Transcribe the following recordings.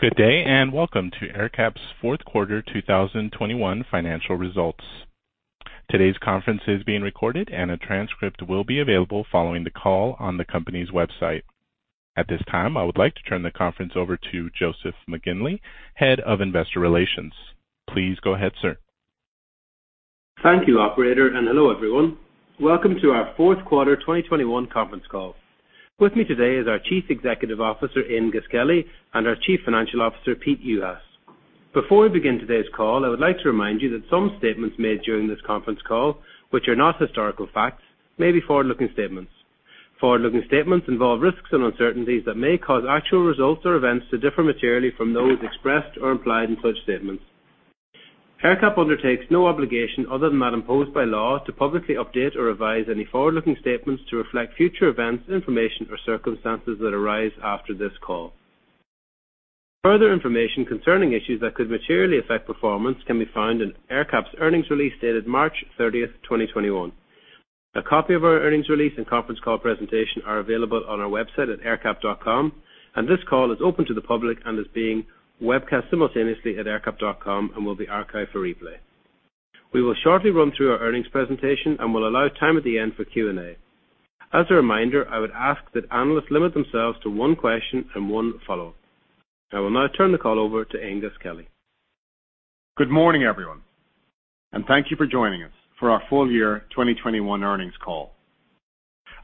Good day, and welcome to AerCap's fourth quarter 2021 financial results. Today's conference is being recorded and a transcript will be available following the call on the company's website. At this time, I would like to turn the conference over to Joseph McGinley, Head of Investor Relations. Please go ahead, sir. Thank you, operator, and hello, everyone. Welcome to our fourth quarter 2021 conference call. With me today is our Chief Executive Officer, Aengus Kelly, and our Chief Financial Officer, Peter Juhas. Before we begin today's call, I would like to remind you that some statements made during this conference call, which are not historical facts, may be forward-looking statements. Forward-looking statements involve risks and uncertainties that may cause actual results or events to differ materially from those expressed or implied in such statements. AerCap undertakes no obligation other than that imposed by law to publicly update or revise any forward-looking statements to reflect future events, information, or circumstances that arise after this call. Further information concerning issues that could materially affect performance can be found in AerCap's earnings release dated March 30, 2021. A copy of our earnings release and conference call presentation are available on our website at aercap.com, and this call is open to the public and is being webcast simultaneously at aercap.com and will be archived for replay. We will shortly run through our earnings presentation and we'll allow time at the end for Q&A. As a reminder, I would ask that analysts limit themselves to one question and one follow-up. I will now turn the call over to Aengus Kelly. Good morning, everyone, and thank you for joining us for our full year 2021 earnings call.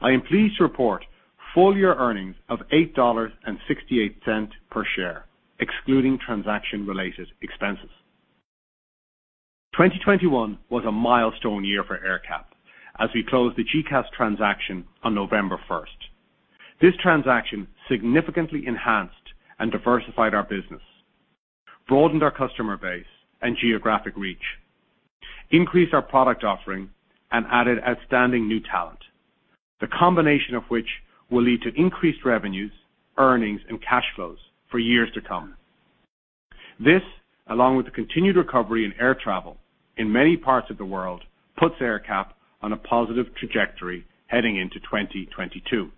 I am pleased to report full year earnings of $8.68 per share, excluding transaction-related expenses. 2021 was a milestone year for AerCap as we closed the GECAS transaction on November 1. This transaction significantly enhanced and diversified our business, broadened our customer base and geographic reach, increased our product offering, and added outstanding new talent, the combination of which will lead to increased revenues, earnings, and cash flows for years to come. This, along with the continued recovery in air travel in many parts of the world, puts AerCap on a positive trajectory heading into 2022.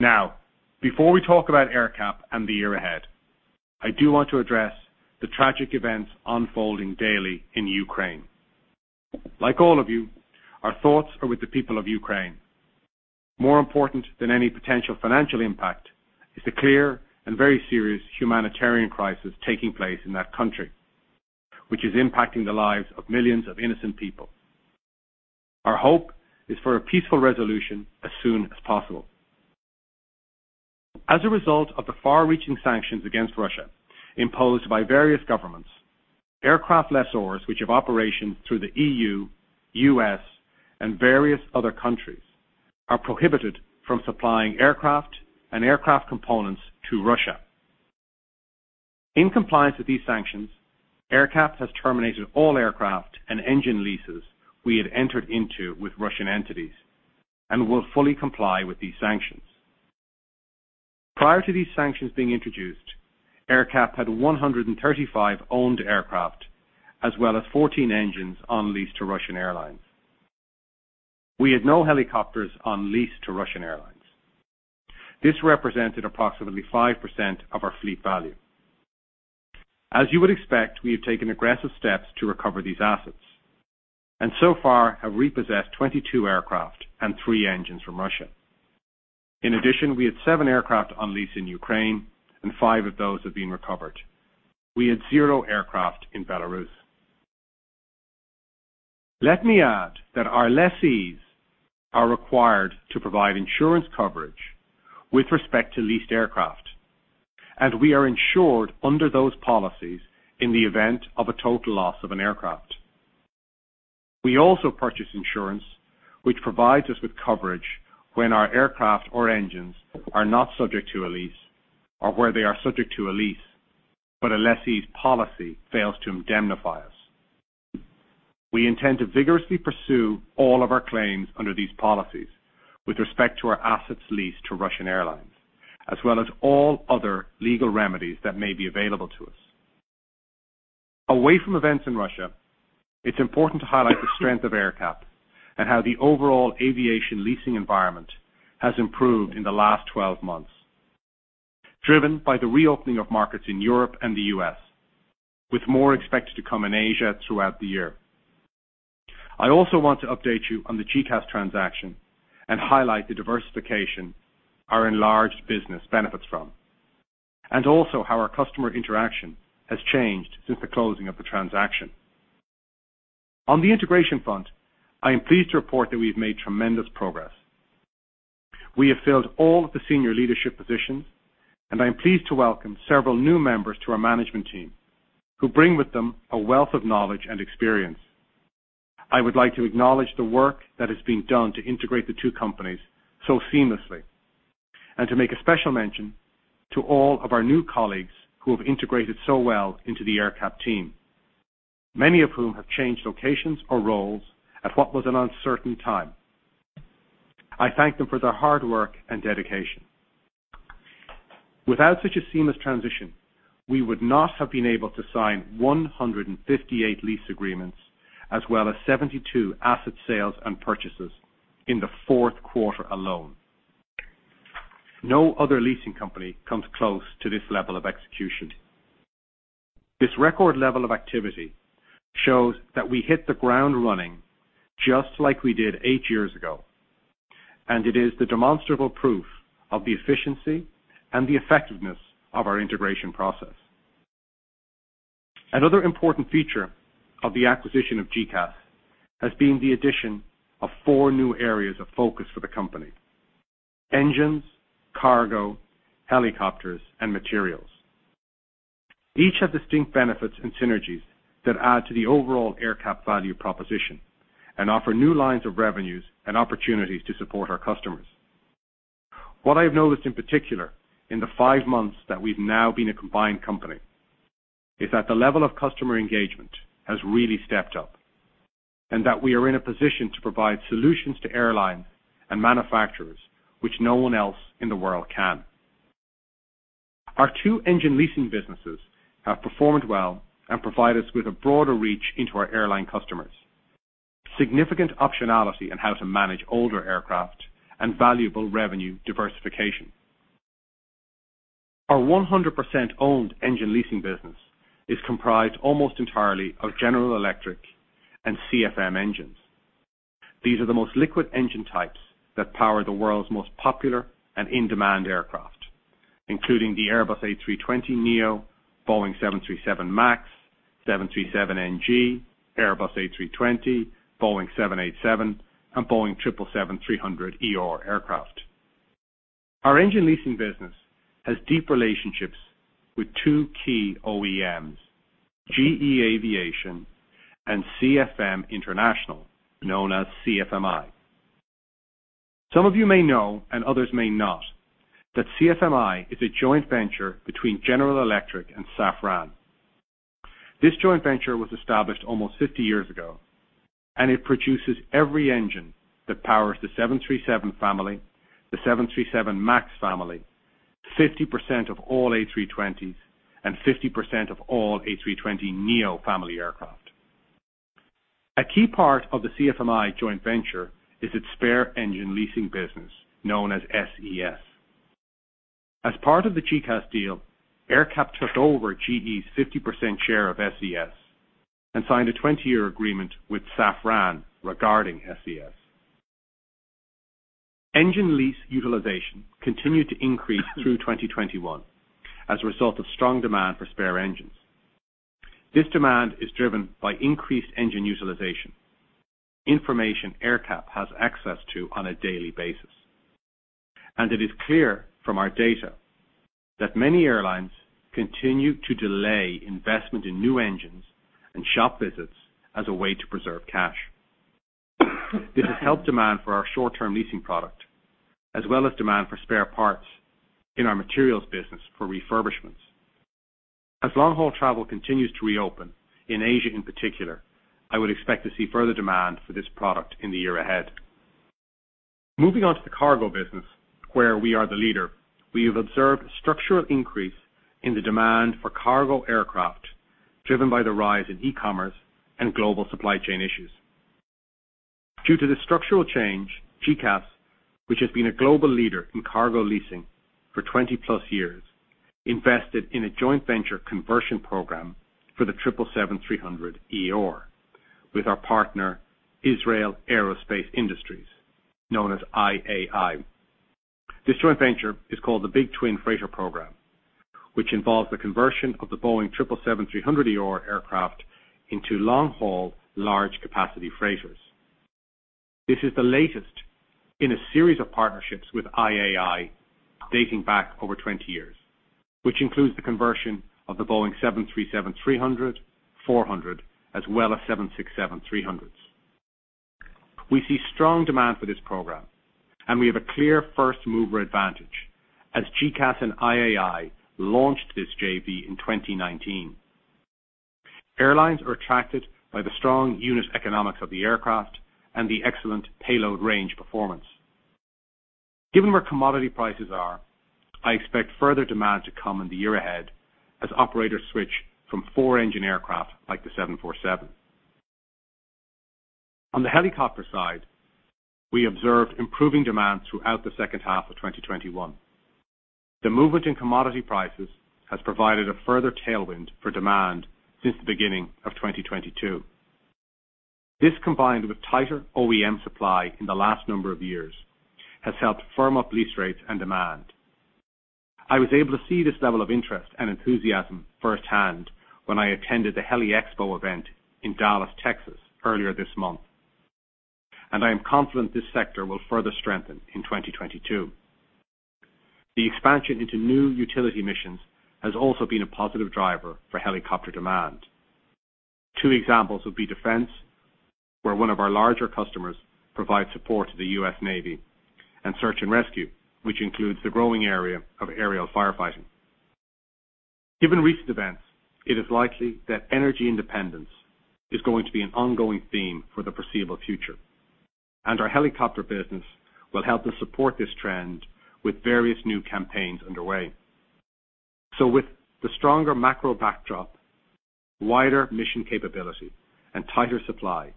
Now, before we talk about AerCap and the year ahead, I do want to address the tragic events unfolding daily in Ukraine. Like all of you, our thoughts are with the people of Ukraine. More important than any potential financial impact is the clear and very serious humanitarian crisis taking place in that country, which is impacting the lives of millions of innocent people. Our hope is for a peaceful resolution as soon as possible. As a result of the far-reaching sanctions against Russia imposed by various governments, aircraft lessors which have operations through the EU, U.S., and various other countries, are prohibited from supplying aircraft and aircraft components to Russia. In compliance with these sanctions, AerCap has terminated all aircraft and engine leases we had entered into with Russian entities and will fully comply with these sanctions. Prior to these sanctions being introduced, AerCap had 135 owned aircraft as well as 14 engines on lease to Russian airlines. We had no helicopters on lease to Russian airlines. This represented approximately 5% of our fleet value. As you would expect, we have taken aggressive steps to recover these assets, and so far have repossessed 22 aircraft and 3 engines from Russia. In addition, we had 7 aircraft on lease in Ukraine, and 5 of those have been recovered. We had 0 aircraft in Belarus. Let me add that our lessees are required to provide insurance coverage with respect to leased aircraft, and we are insured under those policies in the event of a total loss of an aircraft. We also purchase insurance which provides us with coverage when our aircraft or engines are not subject to a lease or where they are subject to a lease, but a lessee's policy fails to indemnify us. We intend to vigorously pursue all of our claims under these policies with respect to our assets leased to Russian airlines, as well as all other legal remedies that may be available to us. Away from events in Russia, it's important to highlight the strength of AerCap and how the overall aviation leasing environment has improved in the last twelve months, driven by the reopening of markets in Europe and the U.S., with more expected to come in Asia throughout the year. I also want to update you on the GECAS transaction and highlight the diversification our enlarged business benefits from, and also how our customer interaction has changed since the closing of the transaction. On the integration front, I am pleased to report that we've made tremendous progress. We have filled all of the senior leadership positions, and I am pleased to welcome several new members to our management team who bring with them a wealth of knowledge and experience. I would like to acknowledge the work that has been done to integrate the two companies so seamlessly, and to make a special mention to all of our new colleagues who have integrated so well into the AerCap team, many of whom have changed locations or roles at what was an uncertain time. I thank them for their hard work and dedication. Without such a seamless transition, we would not have been able to sign 158 lease agreements, as well as 72 asset sales and purchases in the fourth quarter alone. No other leasing company comes close to this level of execution. This record level of activity shows that we hit the ground running just like we did eight years ago, and it is the demonstrable proof of the efficiency and the effectiveness of our integration process. Another important feature of the acquisition of GECAS has been the addition of four new areas of focus for the company, engines, cargo, helicopters, and materials. Each have distinct benefits and synergies that add to the overall AerCap value proposition and offer new lines of revenues and opportunities to support our customers. What I have noticed in particular in the five months that we've now been a combined company is that the level of customer engagement has really stepped up and that we are in a position to provide solutions to airlines and manufacturers which no one else in the world can. Our two engine leasing businesses have performed well and provide us with a broader reach into our airline customers, significant optionality on how to manage older aircraft, and valuable revenue diversification. Our 100% owned engine leasing business is comprised almost entirely of General Electric and CFM engines. These are the most liquid engine types that power the world's most popular and in-demand aircraft, including the Airbus A320neo, Boeing 737 MAX, 737 NG, Airbus A320, Boeing 787, and Boeing 777-300ER aircraft. Our engine leasing business has deep relationships with two key OEMs, GE Aviation and CFM International, known as CFMI. Some of you may know, and others may not, that CFMI is a joint venture between General Electric and Safran. This joint venture was established almost 50 years ago, and it produces every engine that powers the 737 family, the 737 MAX family, 50% of all A320s, and 50% of all A320neo family aircraft. A key part of the CFMI joint venture is its spare engine leasing business, known as SES. As part of the GECAS deal, AerCap took over GE's 50% share of SES and signed a 20-year agreement with Safran regarding SES. Engine lease utilization continued to increase through 2021 as a result of strong demand for spare engines. This demand is driven by increased engine utilization, information AerCap has access to on a daily basis. It is clear from our data that many airlines continue to delay investment in new engines and shop visits as a way to preserve cash. This has helped demand for our short-term leasing product, as well as demand for spare parts in our materials business for refurbishments. As long-haul travel continues to reopen, in Asia in particular, I would expect to see further demand for this product in the year ahead. Moving on to the cargo business, where we are the leader, we have observed structural increase in the demand for cargo aircraft, driven by the rise in e-commerce and global supply chain issues. Due to the structural change, GECAS, which has been a global leader in cargo leasing for 20-plus years, invested in a joint venture conversion program for the triple seven-three hundred ER with our partner, Israel Aerospace Industries, known as IAI. This joint venture is called the Big Twin Freighter program, which involves the conversion of the Boeing triple seven-three hundred ER aircraft into long-haul, large-capacity freighters. This is the latest in a series of partnerships with IAI dating back over 20 years, which includes the conversion of the Boeing 737-300, 400, as well as 767-300s. We see strong demand for this program, and we have a clear first-mover advantage as GECAS and IAI launched this JV in 2019. Airlines are attracted by the strong unit economics of the aircraft and the excellent payload range performance. Given where commodity prices are, I expect further demand to come in the year ahead as operators switch from 4-engine aircraft like the 747. On the helicopter side, we observed improving demand throughout the second half of 2021. The movement in commodity prices has provided a further tailwind for demand since the beginning of 2022. This, combined with tighter OEM supply in the last number of years, has helped firm up lease rates and demand. I was able to see this level of interest and enthusiasm firsthand when I attended the Heli-Expo event in Dallas, Texas, earlier this month, and I am confident this sector will further strengthen in 2022. The expansion into new utility missions has also been a positive driver for helicopter demand. Two examples would be defense, where one of our larger customers provides support to the U.S. Navy, and search and rescue, which includes the growing area of aerial firefighting. Given recent events, it is likely that energy independence is going to be an ongoing theme for the foreseeable future, and our helicopter business will help us support this trend with various new campaigns underway. With the stronger macro backdrop, wider mission capability, and tighter supply,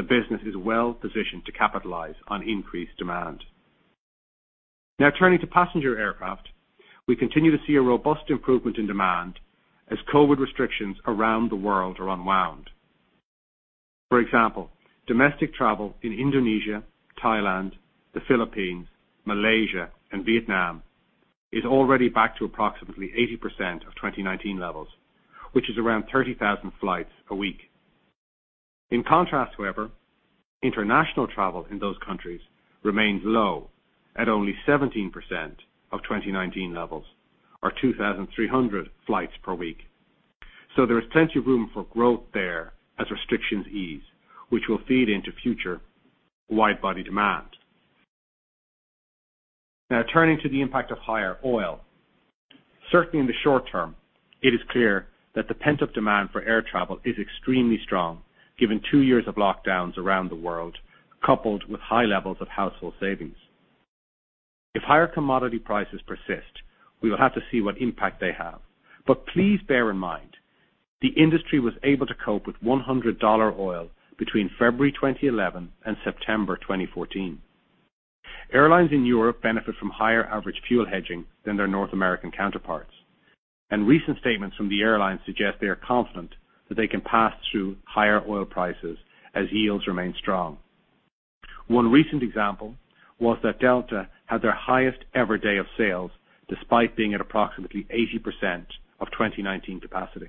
the business is well-positioned to capitalize on increased demand. Now turning to passenger aircraft. We continue to see a robust improvement in demand as COVID restrictions around the world are unwound. For example, domestic travel in Indonesia, Thailand, the Philippines, Malaysia, and Vietnam is already back to approximately 80% of 2019 levels, which is around 30,000 flights a week. In contrast, however, international travel in those countries remains low at only 17% of 2019 levels or 2,300 flights per week. There is plenty of room for growth there as restrictions ease, which will feed into future wide body demand. Now turning to the impact of higher oil. Certainly in the short term, it is clear that the pent-up demand for air travel is extremely strong, given 2 years of lockdowns around the world, coupled with high levels of household savings. If higher commodity prices persist, we will have to see what impact they have. Please bear in mind, the industry was able to cope with $100 oil between February 2011 and September 2014. Airlines in Europe benefit from higher average fuel hedging than their North American counterparts, and recent statements from the airlines suggest they are confident that they can pass through higher oil prices as yields remain strong. One recent example was that Delta had their highest ever day of sales, despite being at approximately 80% of 2019 capacity.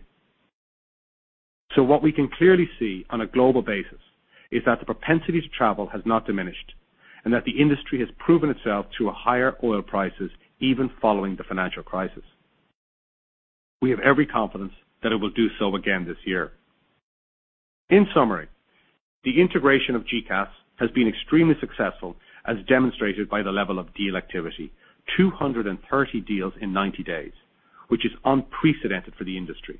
What we can clearly see on a global basis is that the propensity to travel has not diminished, and that the industry has proven itself to higher oil prices even following the financial crisis. We have every confidence that it will do so again this year. In summary, the integration of GECAS has been extremely successful as demonstrated by the level of deal activity, 230 deals in 90 days, which is unprecedented for the industry.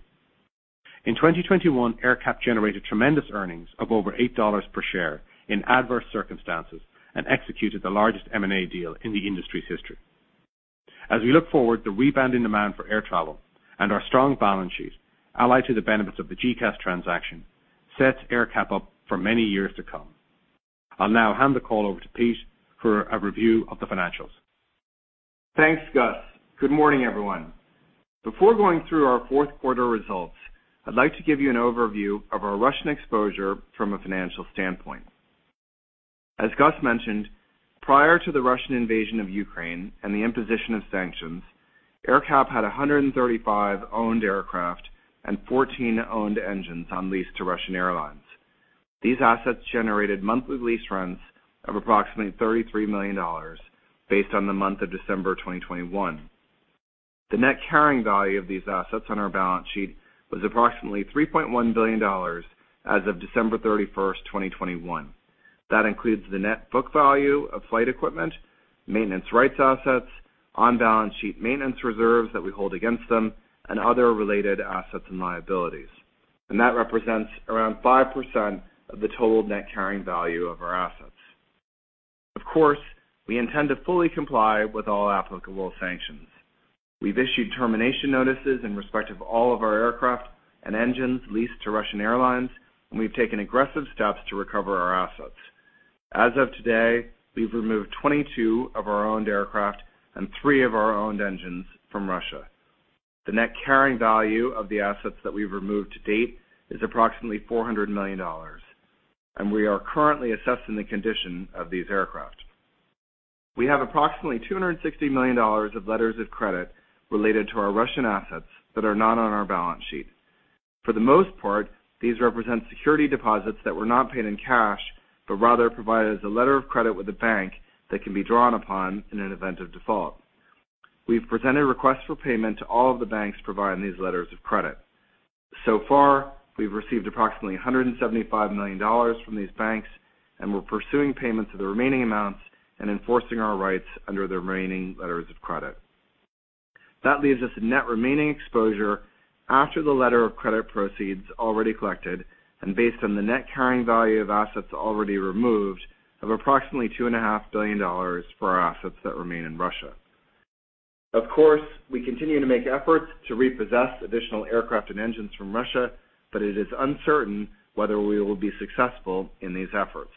In 2021, AerCap generated tremendous earnings of over $8 per share in adverse circumstances and executed the largest M&A deal in the industry's history. As we look forward, the rebound in demand for air travel and our strong balance sheet, allied to the benefits of the GECAS transaction, sets AerCap up for many years to come. I'll now hand the call over to Pete for a review of the financials. Thanks, Gus. Good morning, everyone. Before going through our fourth quarter results, I'd like to give you an overview of our Russian exposure from a financial standpoint. As Gus mentioned, prior to the Russian invasion of Ukraine and the imposition of sanctions, AerCap had 135 owned aircraft and 14 owned engines on lease to Russian airlines. These assets generated monthly lease rents of approximately $33 million based on the month of December 2021. The net carrying value of these assets on our balance sheet was approximately $3.1 billion as of December 31, 2021. That includes the net book value of flight equipment, maintenance rights assets, on balance sheet maintenance reserves that we hold against them, and other related assets and liabilities. That represents around 5% of the total net carrying value of our assets. Of course, we intend to fully comply with all applicable sanctions. We've issued termination notices in respect of all of our aircraft and engines leased to Russian airlines, and we've taken aggressive steps to recover our assets. As of today, we've removed 22 of our owned aircraft and 3 of our owned engines from Russia. The net carrying value of the assets that we've removed to date is approximately $400 million, and we are currently assessing the condition of these aircraft. We have approximately $260 million of letters of credit related to our Russian assets that are not on our balance sheet. For the most part, these represent security deposits that were not paid in cash, but rather provided as a letter of credit with a bank that can be drawn upon in an event of default. We've presented requests for payment to all of the banks providing these letters of credit. So far, we've received approximately $175 million from these banks, and we're pursuing payment to the remaining amounts and enforcing our rights under the remaining letters of credit. That leaves us a net remaining exposure after the letter of credit proceeds already collected and based on the net carrying value of assets already removed of approximately $2.5 billion for our assets that remain in Russia. Of course, we continue to make efforts to repossess additional aircraft and engines from Russia, but it is uncertain whether we will be successful in these efforts.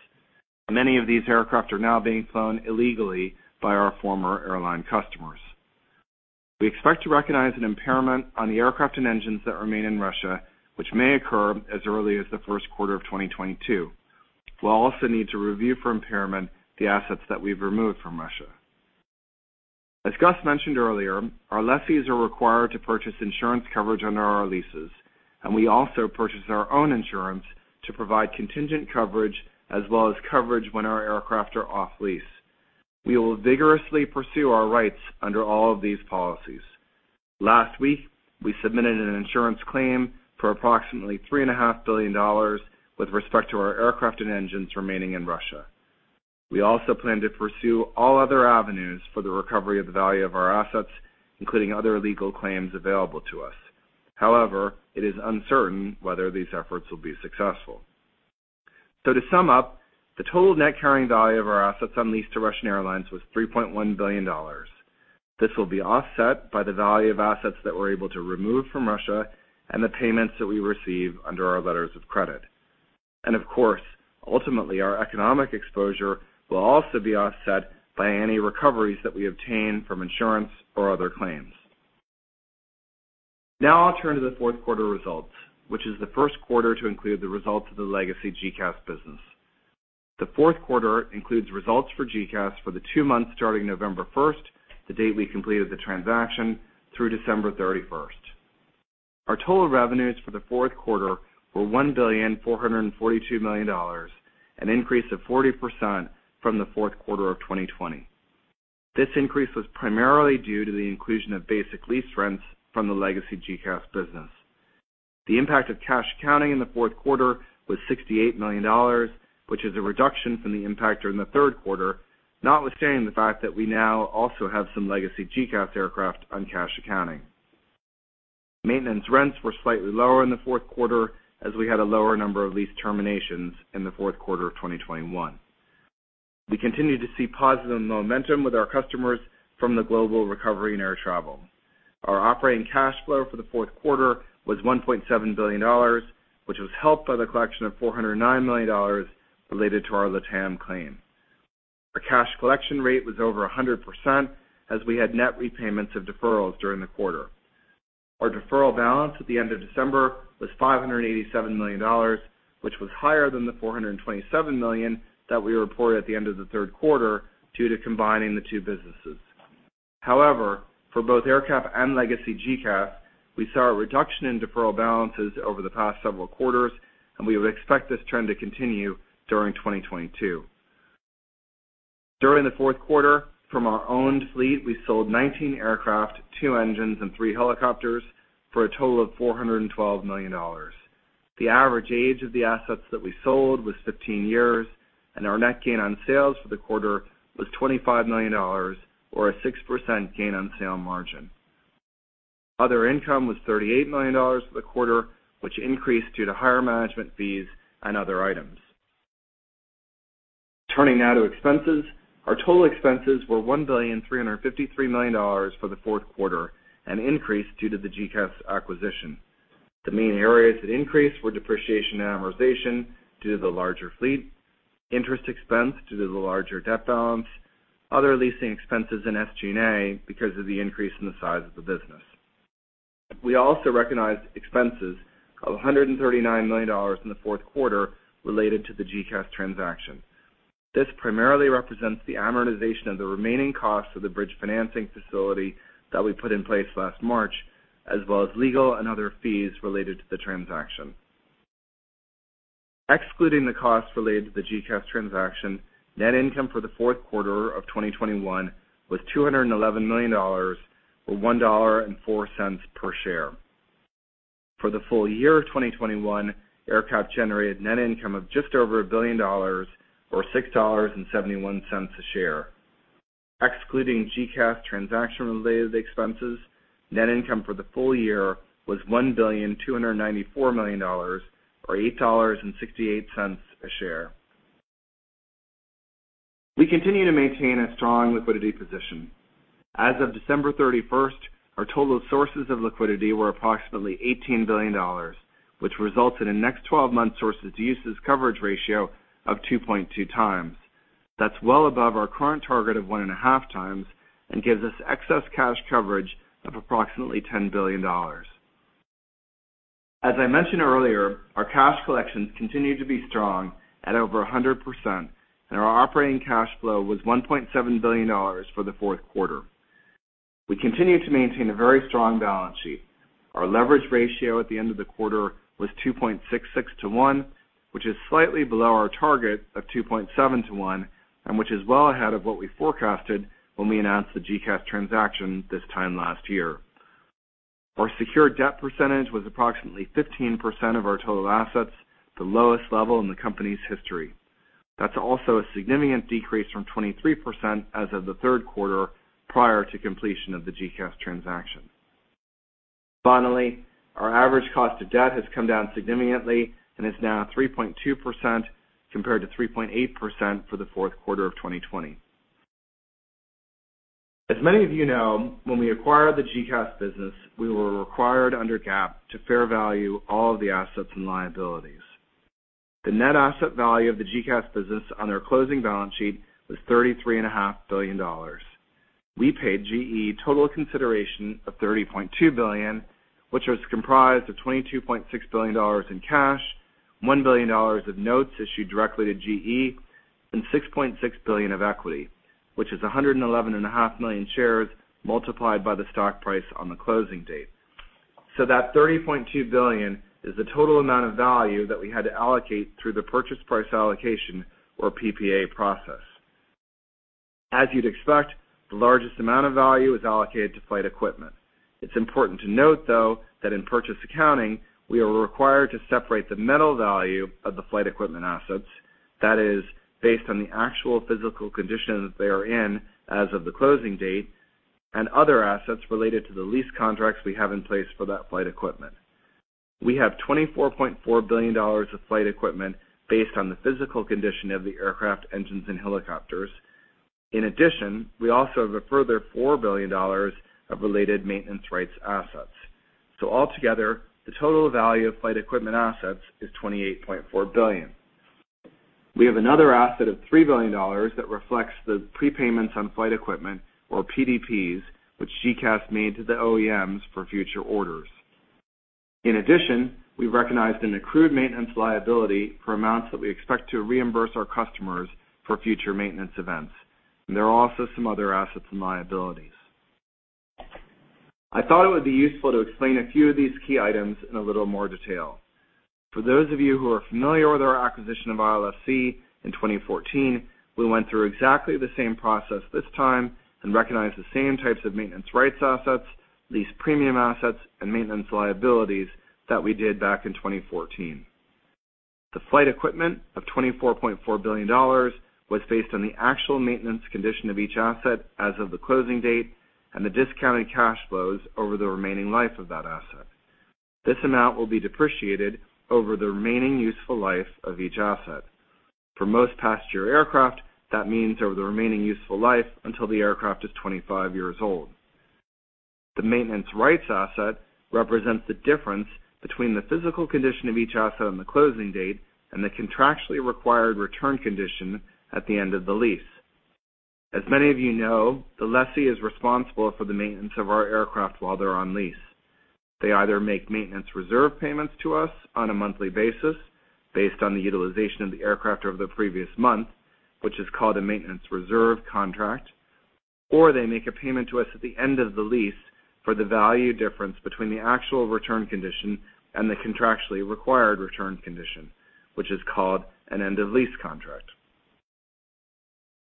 Many of these aircraft are now being flown illegally by our former airline customers. We expect to recognize an impairment on the aircraft and engines that remain in Russia, which may occur as early as the first quarter of 2022. We'll also need to review for impairment the assets that we've removed from Russia. As Gus mentioned earlier, our lessees are required to purchase insurance coverage under our leases, and we also purchase our own insurance to provide contingent coverage as well as coverage when our aircraft are off lease. We will vigorously pursue our rights under all of these policies. Last week, we submitted an insurance claim for approximately $3.5 billion with respect to our aircraft and engines remaining in Russia. We also plan to pursue all other avenues for the recovery of the value of our assets, including other legal claims available to us. However, it is uncertain whether these efforts will be successful. To sum up, the total net carrying value of our assets on lease to Russian Airlines was $3.1 billion. This will be offset by the value of assets that we're able to remove from Russia and the payments that we receive under our letters of credit. Of course, ultimately, our economic exposure will also be offset by any recoveries that we obtain from insurance or other claims. Now I'll turn to the fourth quarter results, which is the first quarter to include the results of the legacy GECAS business. The fourth quarter includes results for GECAS for the two months starting November 1, the date we completed the transaction, through December 31. Our total revenues for the fourth quarter were $1.442 billion, an increase of 40% from the fourth quarter of 2020. This increase was primarily due to the inclusion of basic lease rents from the legacy GECAS business. The impact of cash accounting in the fourth quarter was $68 million, which is a reduction from the impact during the third quarter, notwithstanding the fact that we now also have some legacy GECAS aircraft on cash accounting. Maintenance rents were slightly lower in the fourth quarter as we had a lower number of lease terminations in the fourth quarter of 2021. We continued to see positive momentum with our customers from the global recovery in air travel. Our operating cash flow for the fourth quarter was $1.7 billion, which was helped by the collection of $409 million related to our LATAM claim. Our cash collection rate was over 100% as we had net repayments of deferrals during the quarter. Our deferral balance at the end of December was $587 million, which was higher than the $427 million that we reported at the end of the third quarter due to combining the two businesses. However, for both AerCap and legacy GECAS, we saw a reduction in deferral balances over the past several quarters, and we would expect this trend to continue during 2022. During the fourth quarter, from our owned fleet, we sold 19 aircraft, two engines, and three helicopters for a total of $412 million. The average age of the assets that we sold was 15 years, and our net gain on sales for the quarter was $25 million, or a 6% gain on sale margin. Other income was $38 million for the quarter, which increased due to higher management fees and other items. Turning now to expenses, our total expenses were $1,353 million for the fourth quarter, an increase due to the GECAS acquisition. The main areas that increased were depreciation and amortization due to the larger fleet, interest expense due to the larger debt balance, other leasing expenses in SG&A because of the increase in the size of the business. We also recognized expenses of $139 million in the fourth quarter related to the GECAS transaction. This primarily represents the amortization of the remaining costs of the bridge financing facility that we put in place last March, as well as legal and other fees related to the transaction. Excluding the costs related to the GECAS transaction, net income for the fourth quarter of 2021 was $211 million, or $1.04 per share. For the full year of 2021, AerCap generated net income of just over $1 billion, or $6.71 a share. Excluding GECAS transaction-related expenses, net income for the full year was $1.294 billion, or $8.68 a share. We continue to maintain a strong liquidity position. As of December 31, our total sources of liquidity were approximately $18 billion, which resulted in next twelve-month sources to uses coverage ratio of 2.2 times. That's well above our current target of 1.5 times and gives us excess cash coverage of approximately $10 billion. As I mentioned earlier, our cash collections continued to be strong at over 100%, and our operating cash flow was $1.7 billion for the fourth quarter. We continue to maintain a very strong balance sheet. Our leverage ratio at the end of the quarter was 2.66 to 1, which is slightly below our target of 2.7 to 1, and which is well ahead of what we forecasted when we announced the GECAS transaction this time last year. Our secure debt percentage was approximately 15% of our total assets, the lowest level in the company's history. That's also a significant decrease from 23% as of the third quarter prior to completion of the GECAS transaction. Finally, our average cost of debt has come down significantly and is now at 3.2% compared to 3.8% for the fourth quarter of 2020. As many of you know, when we acquired the GECAS business, we were required under GAAP to fair value all of the assets and liabilities. The net asset value of the GECAS business on their closing balance sheet was $33.5 billion. We paid GE total consideration of $30.2 billion, which was comprised of $22.6 billion in cash, $1 billion of notes issued directly to GE, and $6.6 billion of equity, which is 111.5 million shares multiplied by the stock price on the closing date. So that $30.2 billion is the total amount of value that we had to allocate through the purchase price allocation, or PPA process. As you'd expect, the largest amount of value is allocated to flight equipment. It's important to note, though, that in purchase accounting, we are required to separate the metal value of the flight equipment assets, that is based on the actual physical condition that they are in as of the closing date and other assets related to the lease contracts we have in place for that flight equipment. We have $24.4 billion of flight equipment based on the physical condition of the aircraft engines and helicopters. In addition, we also have a further $4 billion of related maintenance rights assets. Altogether, the total value of flight equipment assets is $28.4 billion. We have another asset of $3 billion that reflects the prepayments on flight equipment or PDPs, which GECAS made to the OEMs for future orders. In addition, we recognized an accrued maintenance liability for amounts that we expect to reimburse our customers for future maintenance events. There are also some other assets and liabilities. I thought it would be useful to explain a few of these key items in a little more detail. For those of you who are familiar with our acquisition of ILFC in 2014, we went through exactly the same process this time and recognized the same types of maintenance rights assets, lease premium assets, and maintenance liabilities that we did back in 2014. The flight equipment of $24.4 billion was based on the actual maintenance condition of each asset as of the closing date and the discounted cash flows over the remaining life of that asset. This amount will be depreciated over the remaining useful life of each asset. For most past year aircraft, that means over the remaining useful life until the aircraft is 25 years old. The maintenance rights asset represents the difference between the physical condition of each asset on the closing date and the contractually required return condition at the end of the lease. As many of you know, the lessee is responsible for the maintenance of our aircraft while they're on lease. They either make maintenance reserve payments to us on a monthly basis based on the utilization of the aircraft over the previous month, which is called a maintenance reserve contract, or they make a payment to us at the end of the lease for the value difference between the actual return condition and the contractually required return condition, which is called an end of lease contract.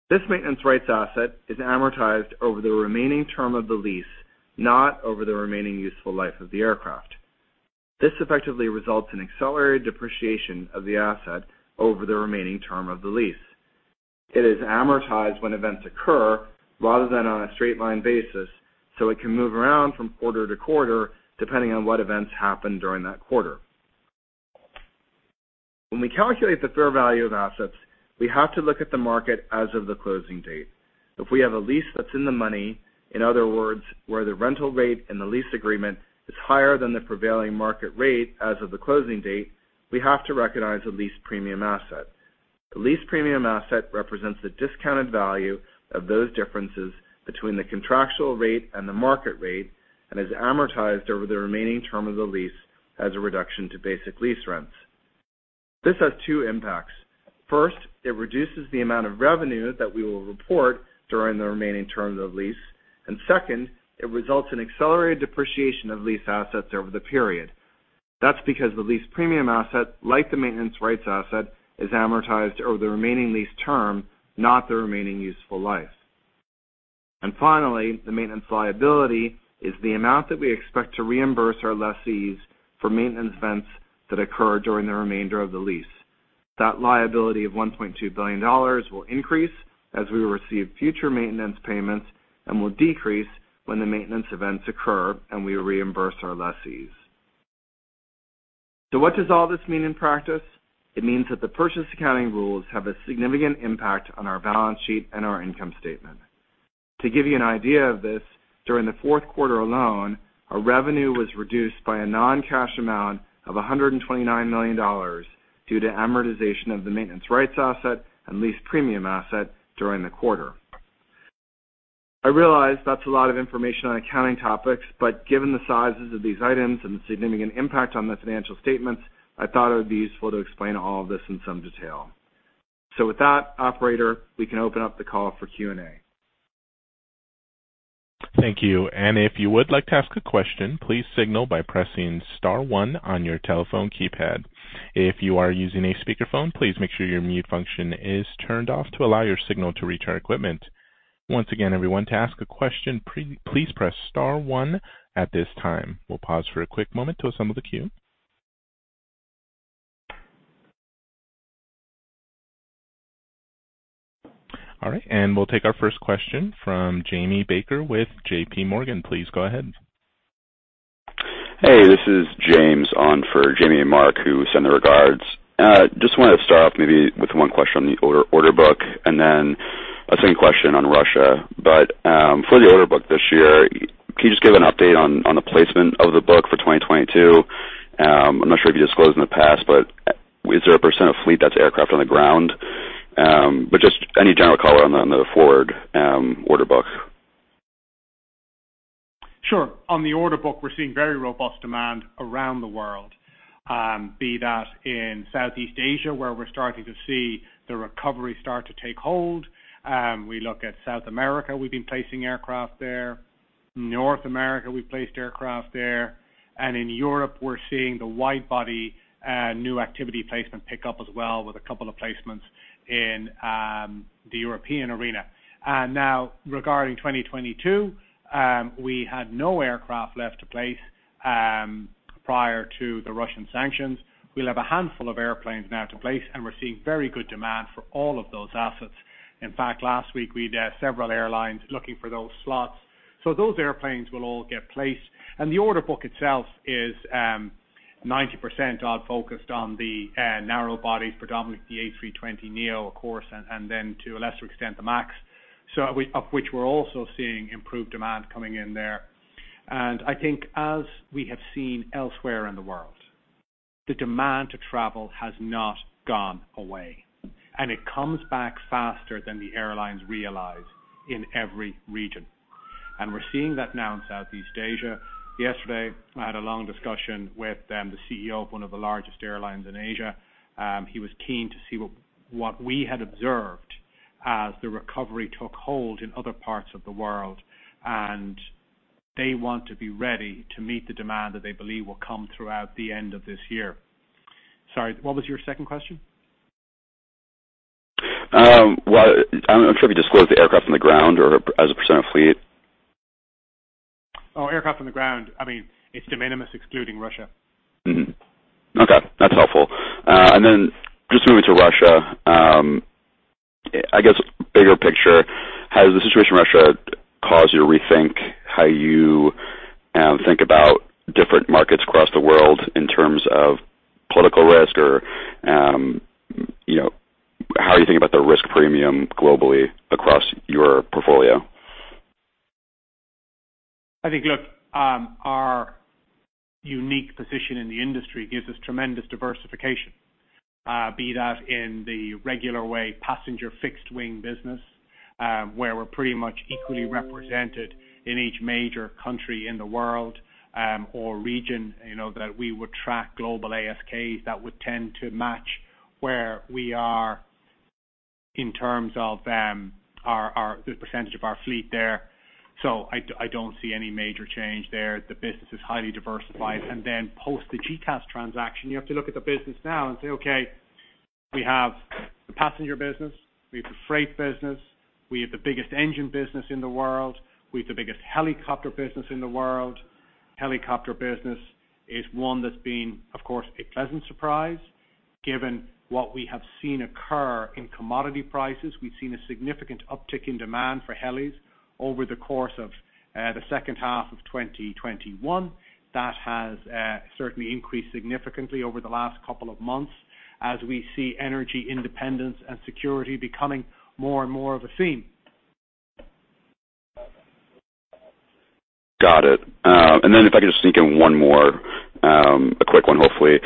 This maintenance rights asset is amortized over the remaining term of the lease, not over the remaining useful life of the aircraft. This effectively results in accelerated depreciation of the asset over the remaining term of the lease. It is amortized when events occur rather than on a straight line basis, so it can move around from quarter to quarter, depending on what events happen during that quarter. When we calculate the fair value of assets, we have to look at the market as of the closing date. If we have a lease that's in the money, in other words, where the rental rate and the lease agreement is higher than the prevailing market rate as of the closing date, we have to recognize a lease premium asset. The lease premium asset represents the discounted value of those differences between the contractual rate and the market rate, and is amortized over the remaining term of the lease as a reduction to basic lease rents. This has two impacts. First, it reduces the amount of revenue that we will report during the remaining term of the lease. Second, it results in accelerated depreciation of lease assets over the period. That's because the lease premium asset, like the maintenance rights asset, is amortized over the remaining lease term, not the remaining useful life. Finally, the maintenance liability is the amount that we expect to reimburse our lessees for maintenance events that occur during the remainder of the lease. That liability of $1.2 billion will increase as we receive future maintenance payments and will decrease when the maintenance events occur and we reimburse our lessees. What does all this mean in practice? It means that the purchase accounting rules have a significant impact on our balance sheet and our income statement. To give you an idea of this, during the fourth quarter alone, our revenue was reduced by a non-cash amount of $129 million due to amortization of the maintenance rights asset and lease premium asset during the quarter. I realize that's a lot of information on accounting topics, but given the sizes of these items and the significant impact on the financial statements, I thought it would be useful to explain all of this in some detail. With that, operator, we can open up the call for Q&A. Thank you. If you would like to ask a question, please signal by pressing star one on your telephone keypad. If you are using a speakerphone, please make sure your mute function is turned off to allow your signal to reach our equipment. Once again, everyone, to ask a question, please press star one at this time. We'll pause for a quick moment to assemble the queue. All right, we'll take our first question from Jamie Baker with JPMorgan. Please go ahead. Hey, this is James on for Jamie and Mark, who send their regards. Just wanted to start off maybe with one question on the order book and then a second question on Russia. For the order book this year, can you just give an update on the placement of the book for 2022? I'm not sure if you disclosed in the past, but is there a % of fleet that's aircraft on the ground? Just any general color on the forward order book. Sure. On the order book, we're seeing very robust demand around the world, be that in Southeast Asia, where we're starting to see the recovery start to take hold. We look at South America, we've been placing aircraft there. North America, we placed aircraft there. In Europe, we're seeing the wide body new activity placement pick up as well with a couple of placements in the European arena. Now regarding 2022, we had no aircraft left to place prior to the Russian sanctions. We'll have a handful of airplanes now to place, and we're seeing very good demand for all of those assets. In fact, last week, we had several airlines looking for those slots. So those airplanes will all get placed. The order book itself is 90% or so focused on the narrow body, predominantly the A320neo, of course, and then to a lesser extent, the MAX, of which we're also seeing improved demand coming in there. I think as we have seen elsewhere in the world, the demand to travel has not gone away, and it comes back faster than the airlines realize in every region. We're seeing that now in Southeast Asia. Yesterday, I had a long discussion with the CEO of one of the largest airlines in Asia. He was keen to see what we had observed as the recovery took hold in other parts of the world, and they want to be ready to meet the demand that they believe will come throughout the end of this year. Sorry, what was your second question? Well, I'm not sure if you disclosed the aircraft on the ground or as a % of fleet. Oh, aircraft on the ground. I mean, it's de minimis excluding Russia. Mm-hmm. Okay, that's helpful. Just moving to Russia, I guess bigger picture, has the situation in Russia caused you to rethink how you think about different markets across the world in terms of political risk or, you know, how are you thinking about the risk premium globally across your portfolio? I think, look, our unique position in the industry gives us tremendous diversification, be that in the regular way, passenger fixed wing business, where we're pretty much equally represented in each major country in the world, or region, you know, that we would track global ASKs that would tend to match where we are in terms of our the percentage of our fleet there. I don't see any major change there. The business is highly diversified. Then post the GECAS transaction, you have to look at the business now and say, okay, we have the passenger business, we have the freight business, we have the biggest engine business in the world, we have the biggest helicopter business in the world. Helicopter business is one that's been, of course, a pleasant surprise. Given what we have seen occur in commodity prices, we've seen a significant uptick in demand for helis over the course of the second half of 2021. That has certainly increased significantly over the last couple of months as we see energy independence and security becoming more and more of a theme. Got it. If I could just sneak in one more, a quick one, hopefully.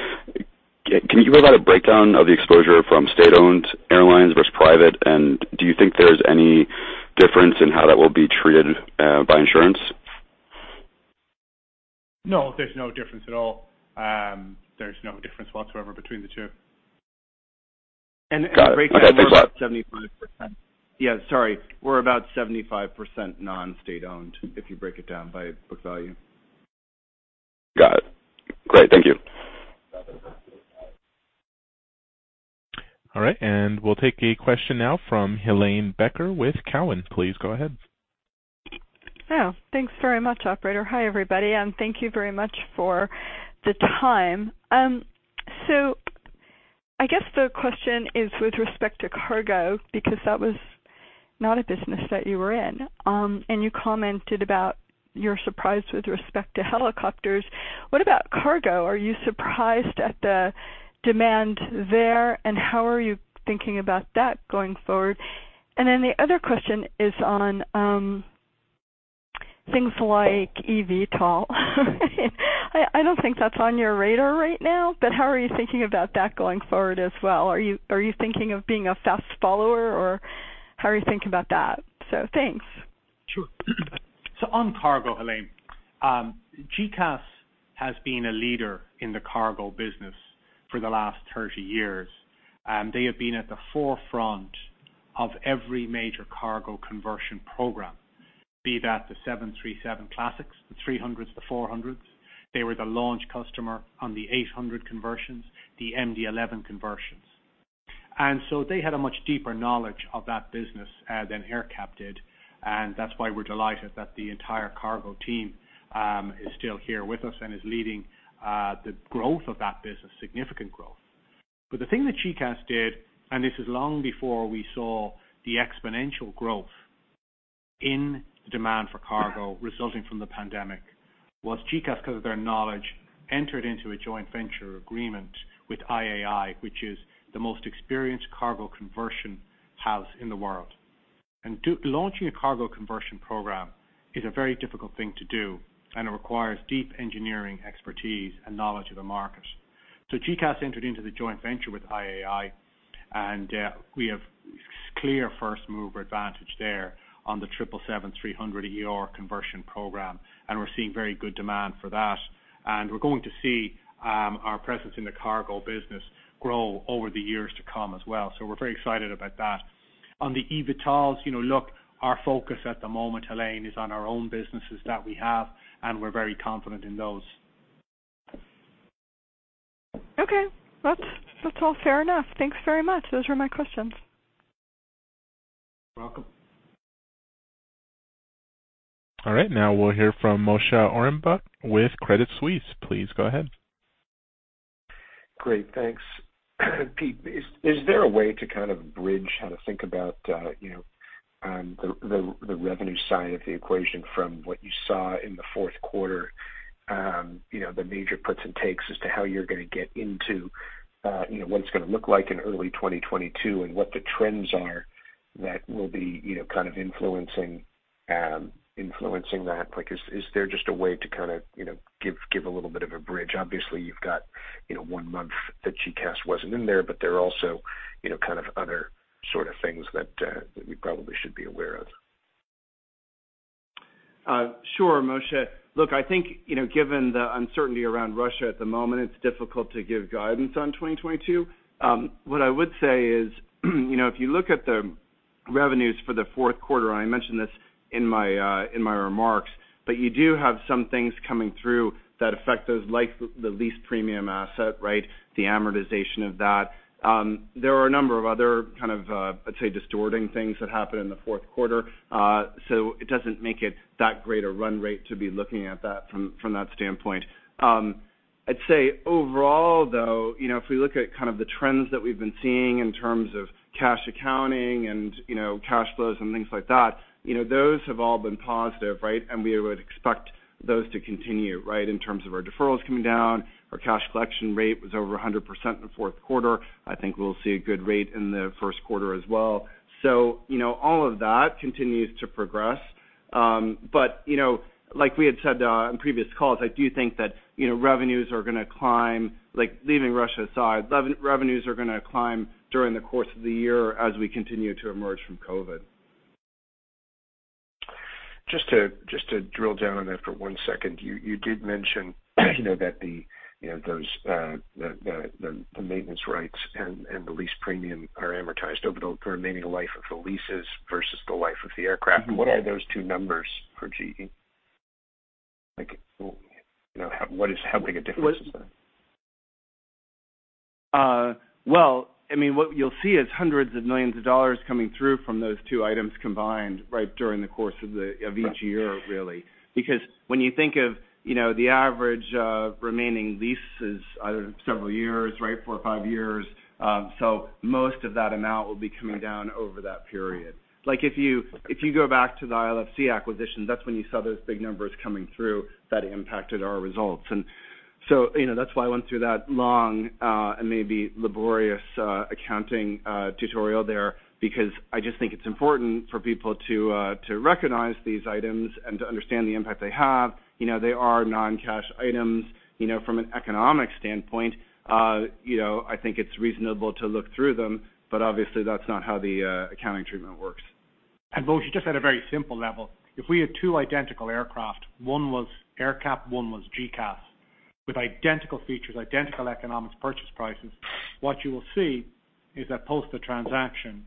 Can you give us a breakdown of the exposure from state-owned airlines versus private? Do you think there's any difference in how that will be treated by insurance? No, there's no difference at all. There's no difference whatsoever between the two. Got it. Okay, thanks a lot. The breakdown, we're about 75%. Yeah, sorry. We're about 75% non-state-owned, if you break it down by book value. Got it. Great. Thank you. All right. We'll take a question now from Helane Becker with Cowen. Please go ahead. Oh, thanks very much, operator. Hi, everybody, and thank you very much for the time. I guess the question is with respect to cargo, because that was not a business that you were in. And you commented about you're surprised with respect to helicopters. What about cargo? Are you surprised at the demand there, and how are you thinking about that going forward? The other question is on things like eVTOL. I don't think that's on your radar right now, but how are you thinking about that going forward as well? Are you thinking of being a fast follower, or how are you thinking about that? Thanks. Sure. On cargo, Helane, GECAS has been a leader in the cargo business for the last 30 years. They have been at the forefront of every major cargo conversion program, be that the 737 classics, the 300s, the 400s. They were the launch customer on the 800 conversions, the MD-11 conversions. They had a much deeper knowledge of that business than AerCap did, and that's why we're delighted that the entire cargo team is still here with us and is leading the growth of that business, significant growth. The thing that GECAS did, and this is long before we saw the exponential growth in demand for cargo resulting from the pandemic, was GECAS, because of their knowledge, entered into a joint venture agreement with IAI, which is the most experienced cargo conversion house in the world. Launching a cargo conversion program is a very difficult thing to do, and it requires deep engineering expertise and knowledge of the market. GECAS entered into the joint venture with IAI, and we have clear first-mover advantage there on the 777-300ER conversion program. We're seeing very good demand for that. We're going to see our presence in the cargo business grow over the years to come as well. We're very excited about that. On the eVTOLs, you know, look, our focus at the moment, Helane, is on our own businesses that we have, and we're very confident in those. Okay. That's all fair enough. Thanks very much. Those were my questions. You're welcome. All right. Now we'll hear from Moshe Orenbuch with Credit Suisse. Please go ahead. Great. Thanks. Pete, is there a way to kind of bridge how to think about, you know, the revenue side of the equation from what you saw in the fourth quarter, you know, the major puts and takes as to how you're gonna get into, you know, what it's gonna look like in early 2022 and what the trends are that will be, you know, kind of influencing that? Like, is there just a way to kinda, you know, give a little bit of a bridge? Obviously, you've got, you know, one month that GECAS wasn't in there, but there are also, you know, kind of other sort of things that we probably should be aware of. Sure, Moshe. Look, I think, you know, given the uncertainty around Russia at the moment, it's difficult to give guidance on 2022. What I would say is, you know, if you look at the revenues for the fourth quarter, and I mentioned this in my remarks, but you do have some things coming through that affect those, like the lease premium asset, right? The amortization of that. There are a number of other kind of, let's say, distorting things that happened in the fourth quarter. So it doesn't make it that great a run rate to be looking at that from that standpoint. I'd say overall, though, you know, if we look at kind of the trends that we've been seeing in terms of cash accounting and, you know, cash flows and things like that, you know, those have all been positive, right? We would expect those to continue, right? In terms of our deferrals coming down, our cash collection rate was over 100% in the fourth quarter. I think we'll see a good rate in the first quarter as well. You know, all of that continues to progress. You know, like we had said on previous calls, I do think that, you know, revenues are gonna climb. Like, leaving Russia aside, revenues are gonna climb during the course of the year as we continue to emerge from COVID. Just to drill down on that for one second. You did mention, you know, that, you know, those, the maintenance rights and the lease premium are amortized over the remaining life of the leases versus the life of the aircraft. Mm-hmm. What are those two numbers for GE? Like, you know, how big a difference is that? Well, I mean, what you'll see is $hundreds of millions coming through from those two items combined, right? During the course of each year- Right Really. Because when you think of, you know, the average remaining leases are several years, right? Four or five years. Most of that amount will be coming down over that period. Like, if you go back to the ILFC acquisition, that's when you saw those big numbers coming through that impacted our results. You know, that's why I went through that long and maybe laborious accounting tutorial there, because I just think it's important for people to recognize these items and to understand the impact they have. You know, they are non-cash items. You know, from an economic standpoint, you know, I think it's reasonable to look through them, but obviously, that's not how the accounting treatment works. Moshe, just at a very simple level, if we had two identical aircraft, one was AerCap, one was GECAS, with identical features, identical economics, purchase prices, what you will see is that post the transaction,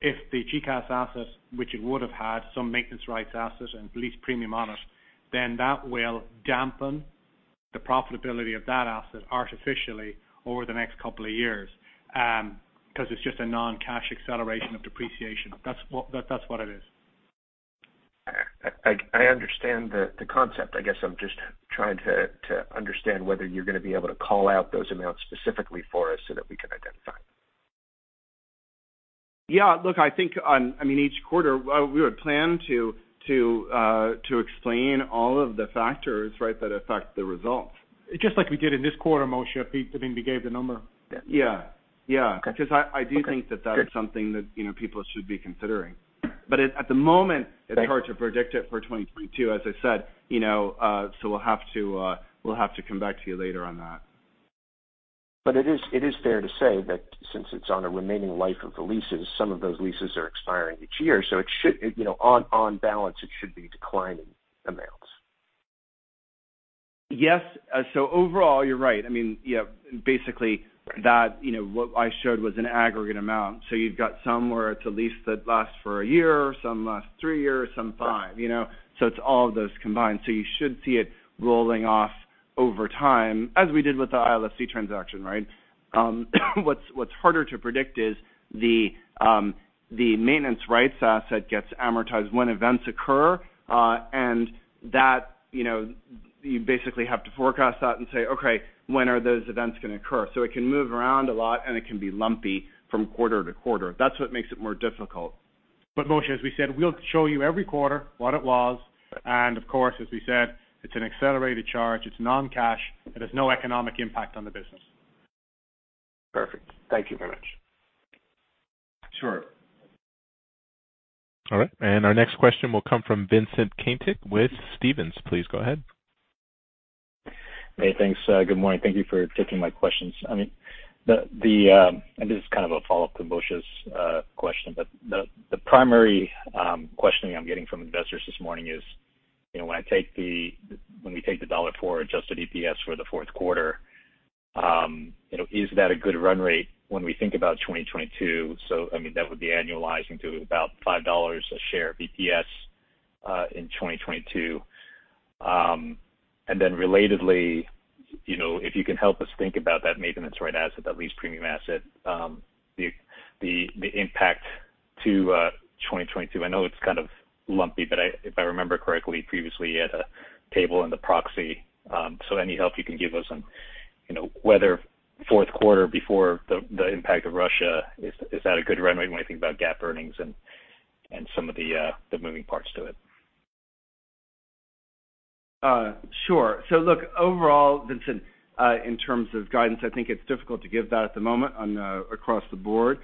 if the GECAS asset, which it would have had some maintenance rights assets and lease premium on it, then that will dampen the profitability of that asset artificially over the next couple of years, 'cause it's just a non-cash acceleration of depreciation. That's what it is. I understand the concept. I guess I'm just trying to understand whether you're gonna be able to call out those amounts specifically for us so that we can identify. Yeah. Look, I think, I mean, each quarter we would plan to explain all of the factors, right, that affect the results. Just like we did in this quarter, Moshe. Pete, I mean, we gave the number. Yeah, yeah. Okay. I do think that is something that, you know, people should be considering. At the moment, it's hard to predict it for 2022, as I said, you know, so we'll have to come back to you later on that. It is fair to say that since it's on a remaining life of the leases, some of those leases are expiring each year, so it should, you know, on balance, be declining amounts. Yes. Overall, you're right. I mean, yeah, basically that, you know, what I showed was an aggregate amount. You've got somewhere it's a lease that lasts for a year, some lasts 3 years, some 5, you know? It's all of those combined. You should see it rolling off over time, as we did with the ILFC transaction, right? What's harder to predict is the maintenance rights asset gets amortized when events occur, and that, you know, you basically have to forecast that and say, "Okay, when are those events gonna occur?" It can move around a lot, and it can be lumpy from quarter to quarter. That's what makes it more difficult. Moshe, as we said, we'll show you every quarter what it was. Sure. Of course, as we said, it's an accelerated charge, it's non-cash, it has no economic impact on the business. Perfect. Thank you very much. Sure. All right. Our next question will come from Vincent Caintic with Stephens. Please go ahead. Hey, thanks. Good morning. Thank you for taking my questions. I mean, this is kind of a follow-up to Moshe's question, but the primary questioning I'm getting from investors this morning is, you know, when we take the $4 adjusted EPS for the fourth quarter, you know, is that a good run rate when we think about 2022? So I mean, that would be annualizing to about $5 a share EPS in 2022. And then relatedly, you know, if you can help us think about that maintenance right asset, that lease premium asset, the impact to 2022. I know it's kind of lumpy, but if I remember correctly, previously you had a table in the proxy. Any help you can give us on, you know, whether fourth quarter before the impact of Russia is that a good run rate when we think about GAAP earnings and some of the moving parts to it? Sure. Look, overall, Vincent, in terms of guidance, I think it's difficult to give that at the moment on, across the board.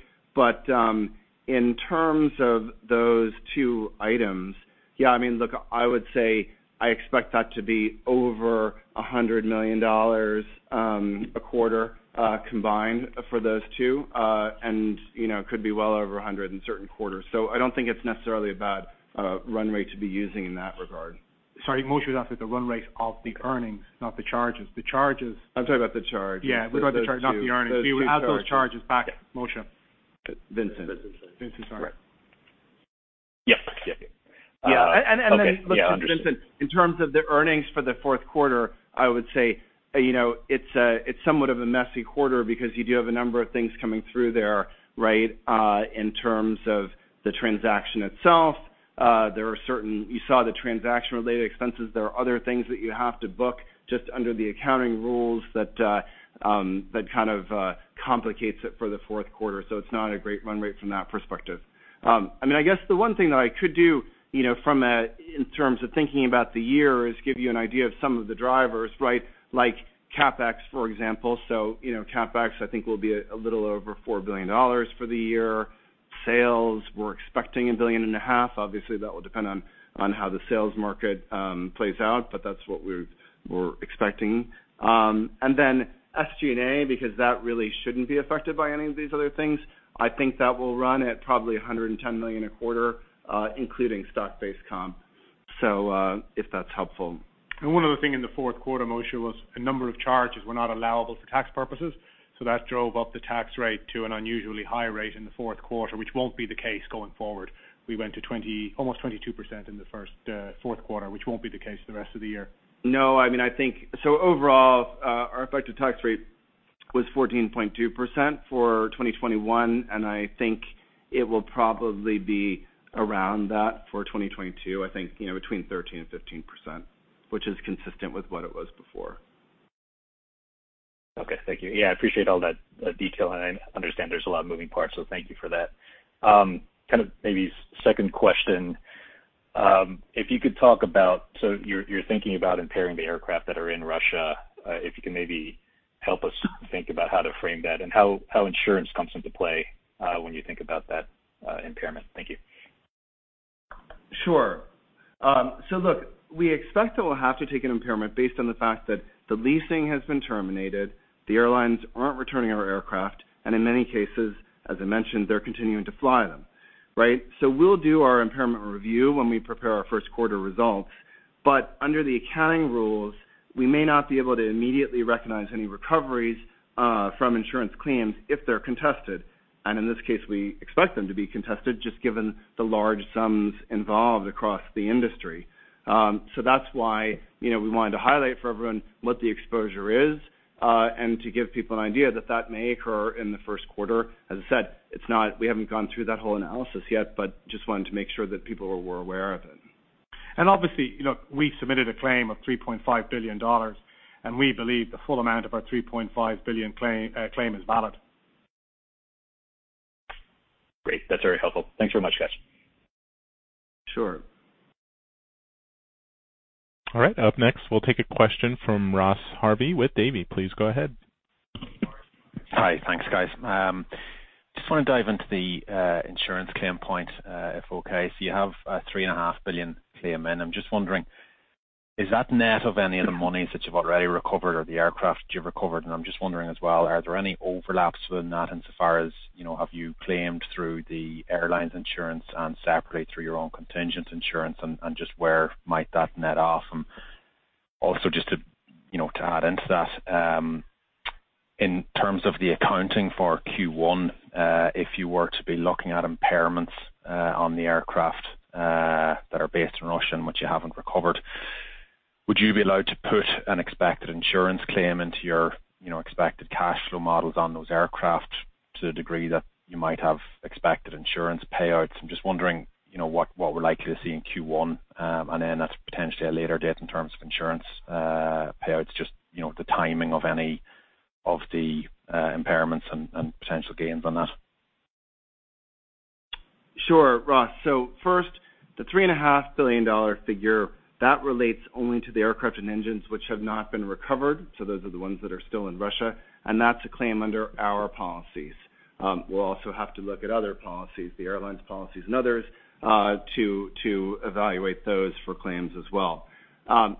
In terms of those two items, yeah, I mean, look, I would say I expect that to be over $100 million a quarter, combined for those two, and, you know, could be well over $100 million in certain quarters. I don't think it's necessarily a bad run rate to be using in that regard. Sorry, Moshe's asking the run rate of the earnings, not the charges. The charges I'm talking about the charges. Yeah, we're talking the charges, not the earnings. We would add those charges back, Moshe. Vincent. Vincent, sorry. Right. Yep. Yeah, yeah. Yeah. Okay. Yeah, understood. Then listen, Vincent, in terms of the earnings for the fourth quarter, I would say, you know, it's somewhat of a messy quarter because you do have a number of things coming through there, right? In terms of the transaction itself, you saw the transaction-related expenses. There are other things that you have to book just under the accounting rules that kind of complicates it for the fourth quarter. So it's not a great run rate from that perspective. I mean, I guess the one thing that I could do, you know, in terms of thinking about the year is give you an idea of some of the drivers, right? Like CapEx, for example. So, you know, CapEx, I think will be a little over $4 billion for the year. Sales, we're expecting $1.5 billion. Obviously, that will depend on how the sales market plays out, but that's what we're expecting. Then SG&A, because that really shouldn't be affected by any of these other things. I think that will run at probably $110 million a quarter, including stock-based comp. If that's helpful. One other thing in the fourth quarter, Moshe, was a number of charges were not allowable for tax purposes, so that drove up the tax rate to an unusually high rate in the fourth quarter, which won't be the case going forward. We went to 20, almost 22% in the fourth quarter, which won't be the case the rest of the year. No, I mean, I think our effective tax rate was 14.2% for 2021, and I think it will probably be around that for 2022. I think, you know, between 13%-15%, which is consistent with what it was before. Okay, thank you. Yeah, I appreciate all that, detail. I understand there's a lot of moving parts, so thank you for that. Kind of maybe second question, if you could talk about you're thinking about impairing the aircraft that are in Russia. If you can maybe help us think about how to frame that and how insurance comes into play, when you think about that, impairment. Thank you. Sure. Look, we expect that we'll have to take an impairment based on the fact that the leasing has been terminated, the airlines aren't returning our aircraft, and in many cases, as I mentioned, they're continuing to fly them, right? We'll do our impairment review when we prepare our first quarter results. Under the accounting rules, we may not be able to immediately recognize any recoveries from insurance claims if they're contested. In this case, we expect them to be contested just given the large sums involved across the industry. That's why, you know, we wanted to highlight for everyone what the exposure is, and to give people an idea that that may occur in the first quarter. As I said, we haven't gone through that whole analysis yet, but just wanted to make sure that people were aware of it. Obviously, you know, we submitted a claim of $3.5 billion, and we believe the full amount of our $3.5 billion claim is valid. Great. That's very helpful. Thanks very much, guys. Sure. All right. Up next, we'll take a question from Ross Harvey with Davy. Please go ahead. Just wanna dive into the insurance claim point, if okay. You have a $3.5 billion claim in. I'm just wondering, is that net of any of the monies that you've already recovered or the aircraft you've recovered? I'm just wondering as well, are there any overlaps within that insofar as, you know, have you claimed through the airline's insurance and separately through your own contingent insurance and just where might that net off? Also just to, you know, to add into that, in terms of the accounting for Q1, if you were to be looking at impairments, on the aircraft, that are based in Russia and which you haven't recovered, would you be allowed to put an expected insurance claim into your, you know, expected cash flow models on those aircraft to the degree that you might have expected insurance payouts? I'm just wondering, you know, what we're likely to see in Q1, and then at potentially a later date in terms of insurance, payouts, just, you know, the timing of any of the, impairments and potential gains on that. Sure, Ross. First, the $3.5 billion figure, that relates only to the aircraft and engines which have not been recovered. Those are the ones that are still in Russia, and that's a claim under our policies. We'll also have to look at other policies, the airline's policies and others, to evaluate those for claims as well.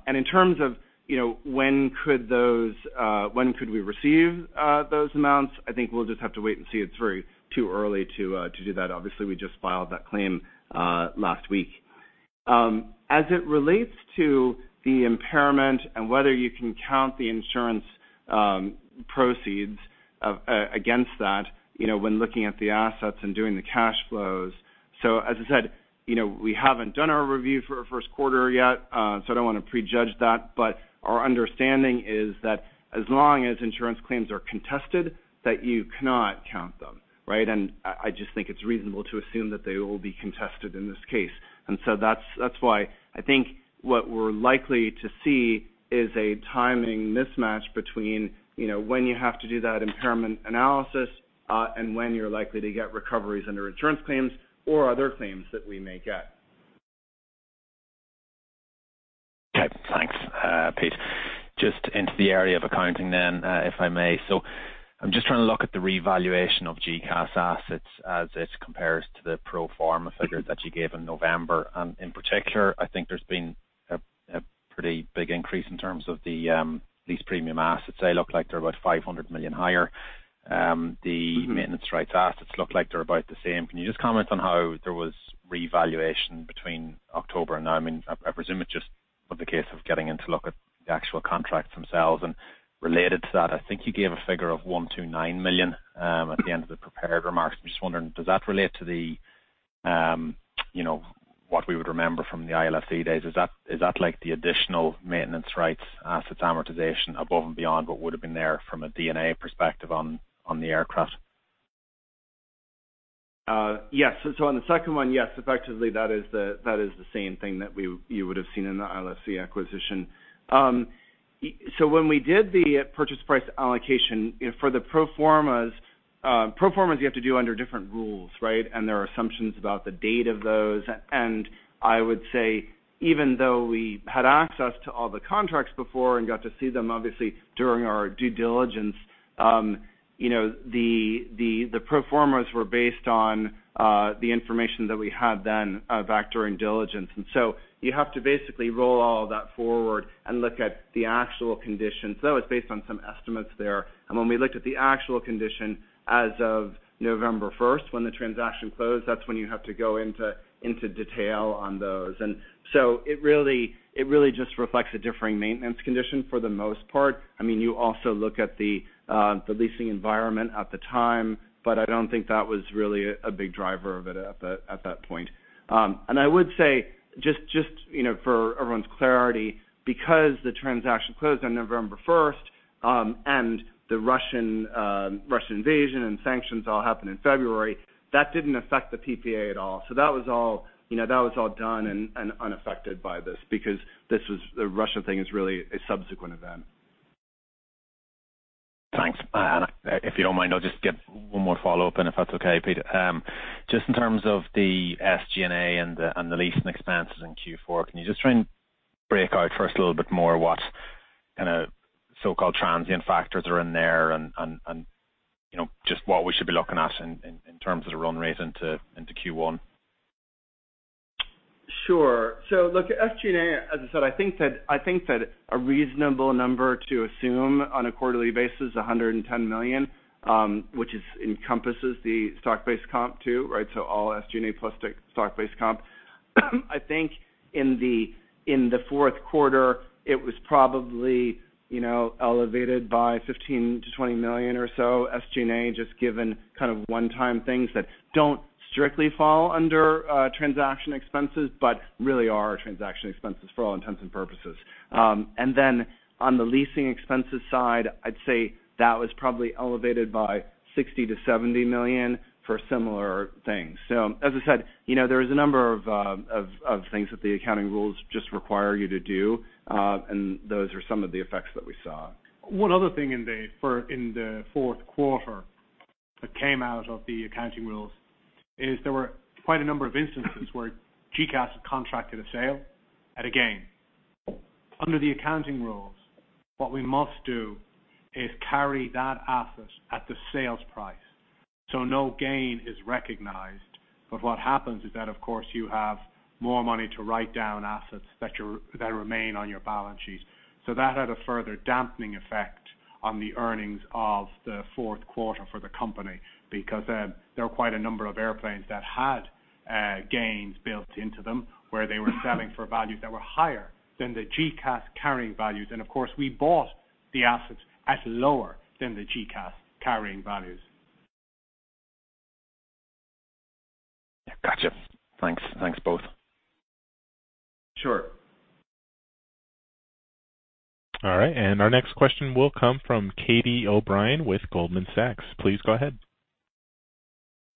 In terms of, you know, when could we receive those amounts? I think we'll just have to wait and see. It's way too early to do that. Obviously, we just filed that claim last week. As it relates to the impairment and whether you can count the insurance proceeds against that, you know, when looking at the assets and doing the cash flows. As I said, you know, we haven't done our review for our first quarter yet, so I don't wanna prejudge that. But our understanding is that as long as insurance claims are contested, that you cannot count them, right? I just think it's reasonable to assume that they will be contested in this case. That's why I think what we're likely to see is a timing mismatch between, you know, when you have to do that impairment analysis, and when you're likely to get recoveries under insurance claims or other claims that we may get. Okay, thanks, Pete. Just into the area of accounting then, if I may. I'm just trying to look at the revaluation of GECAS assets as it compares to the pro forma figures that you gave in November. In particular, I think there's been a pretty big increase in terms of the lease premium assets. They look like they're about $500 million higher. Mm-hmm. Maintenance rights assets look like they're about the same. Can you just comment on how there was revaluation between October and now? I mean, I presume it's just the case of getting in to look at the actual contracts themselves. Related to that, I think you gave a figure of $129 million at the end of the prepared remarks. I'm just wondering, does that relate to the, you know, what we would remember from the ILFC days? Is that like the additional maintenance rights assets amortization above and beyond what would've been there from a D&A perspective on the aircraft? Yes. On the second one, yes. Effectively, that is the same thing that you would've seen in the ILFC acquisition. When we did the purchase price allocation for the pro formas, pro formas you have to do under different rules, right? There are assumptions about the date of those. I would say, even though we had access to all the contracts before and got to see them, obviously, during our due diligence, you know, the pro formas were based on the information that we had then, back during diligence. You have to basically roll all of that forward and look at the actual conditions, though it's based on some estimates there. When we looked at the actual condition as of November first, when the transaction closed, that's when you have to go into detail on those. So it really just reflects a differing maintenance condition for the most part. I mean, you also look at the leasing environment at the time, but I don't think that was really a big driver of it at that point. I would say, just, you know, for everyone's clarity, because the transaction closed on November first, and the Russian invasion and sanctions all happened in February, that didn't affect the PPA at all. So that was all, you know, that was all done and unaffected by this because this was. The Russian thing is really a subsequent event. Thanks. If you don't mind, I'll just get one more follow-up then, if that's okay, Peter. Just in terms of the SG&A and the leasing expenses in Q4, can you just try and break out for us a little bit more what kinda so-called transient factors are in there and, you know, just what we should be looking at in terms of the run rate into Q1? Sure. Look, SG&A, as I said, I think that a reasonable number to assume on a quarterly basis, $110 million, which encompasses the stock-based comp too, right? All SG&A plus stock-based comp. I think in the fourth quarter, it was probably, you know, elevated by $15 million-$20 million or so SG&A, just given kind of one-time things that don't strictly fall under transaction expenses, but really are transaction expenses for all intents and purposes. On the leasing expenses side, I'd say that was probably elevated by $60 million-$70 million for similar things. As I said, you know, there is a number of things that the accounting rules just require you to do. Those are some of the effects that we saw. One other thing in the fourth quarter that came out of the accounting rules is there were quite a number of instances where GECAS had contracted a sale at a gain. Under the accounting rules, what we must do is carry that asset at the sales price, so no gain is recognized. But what happens is that, of course, you have more money to write down assets that remain on your balance sheet. So that had a further dampening effect on the earnings of the fourth quarter for the company, because there were quite a number of airplanes that had gains built into them, where they were selling for values that were higher than the GECAS carrying values. Of course, we bought the assets at lower than the GECAS carrying values. Gotcha. Thanks. Thanks, both. Sure. All right, our next question will come from Catie O'Brien with Goldman Sachs. Please go ahead.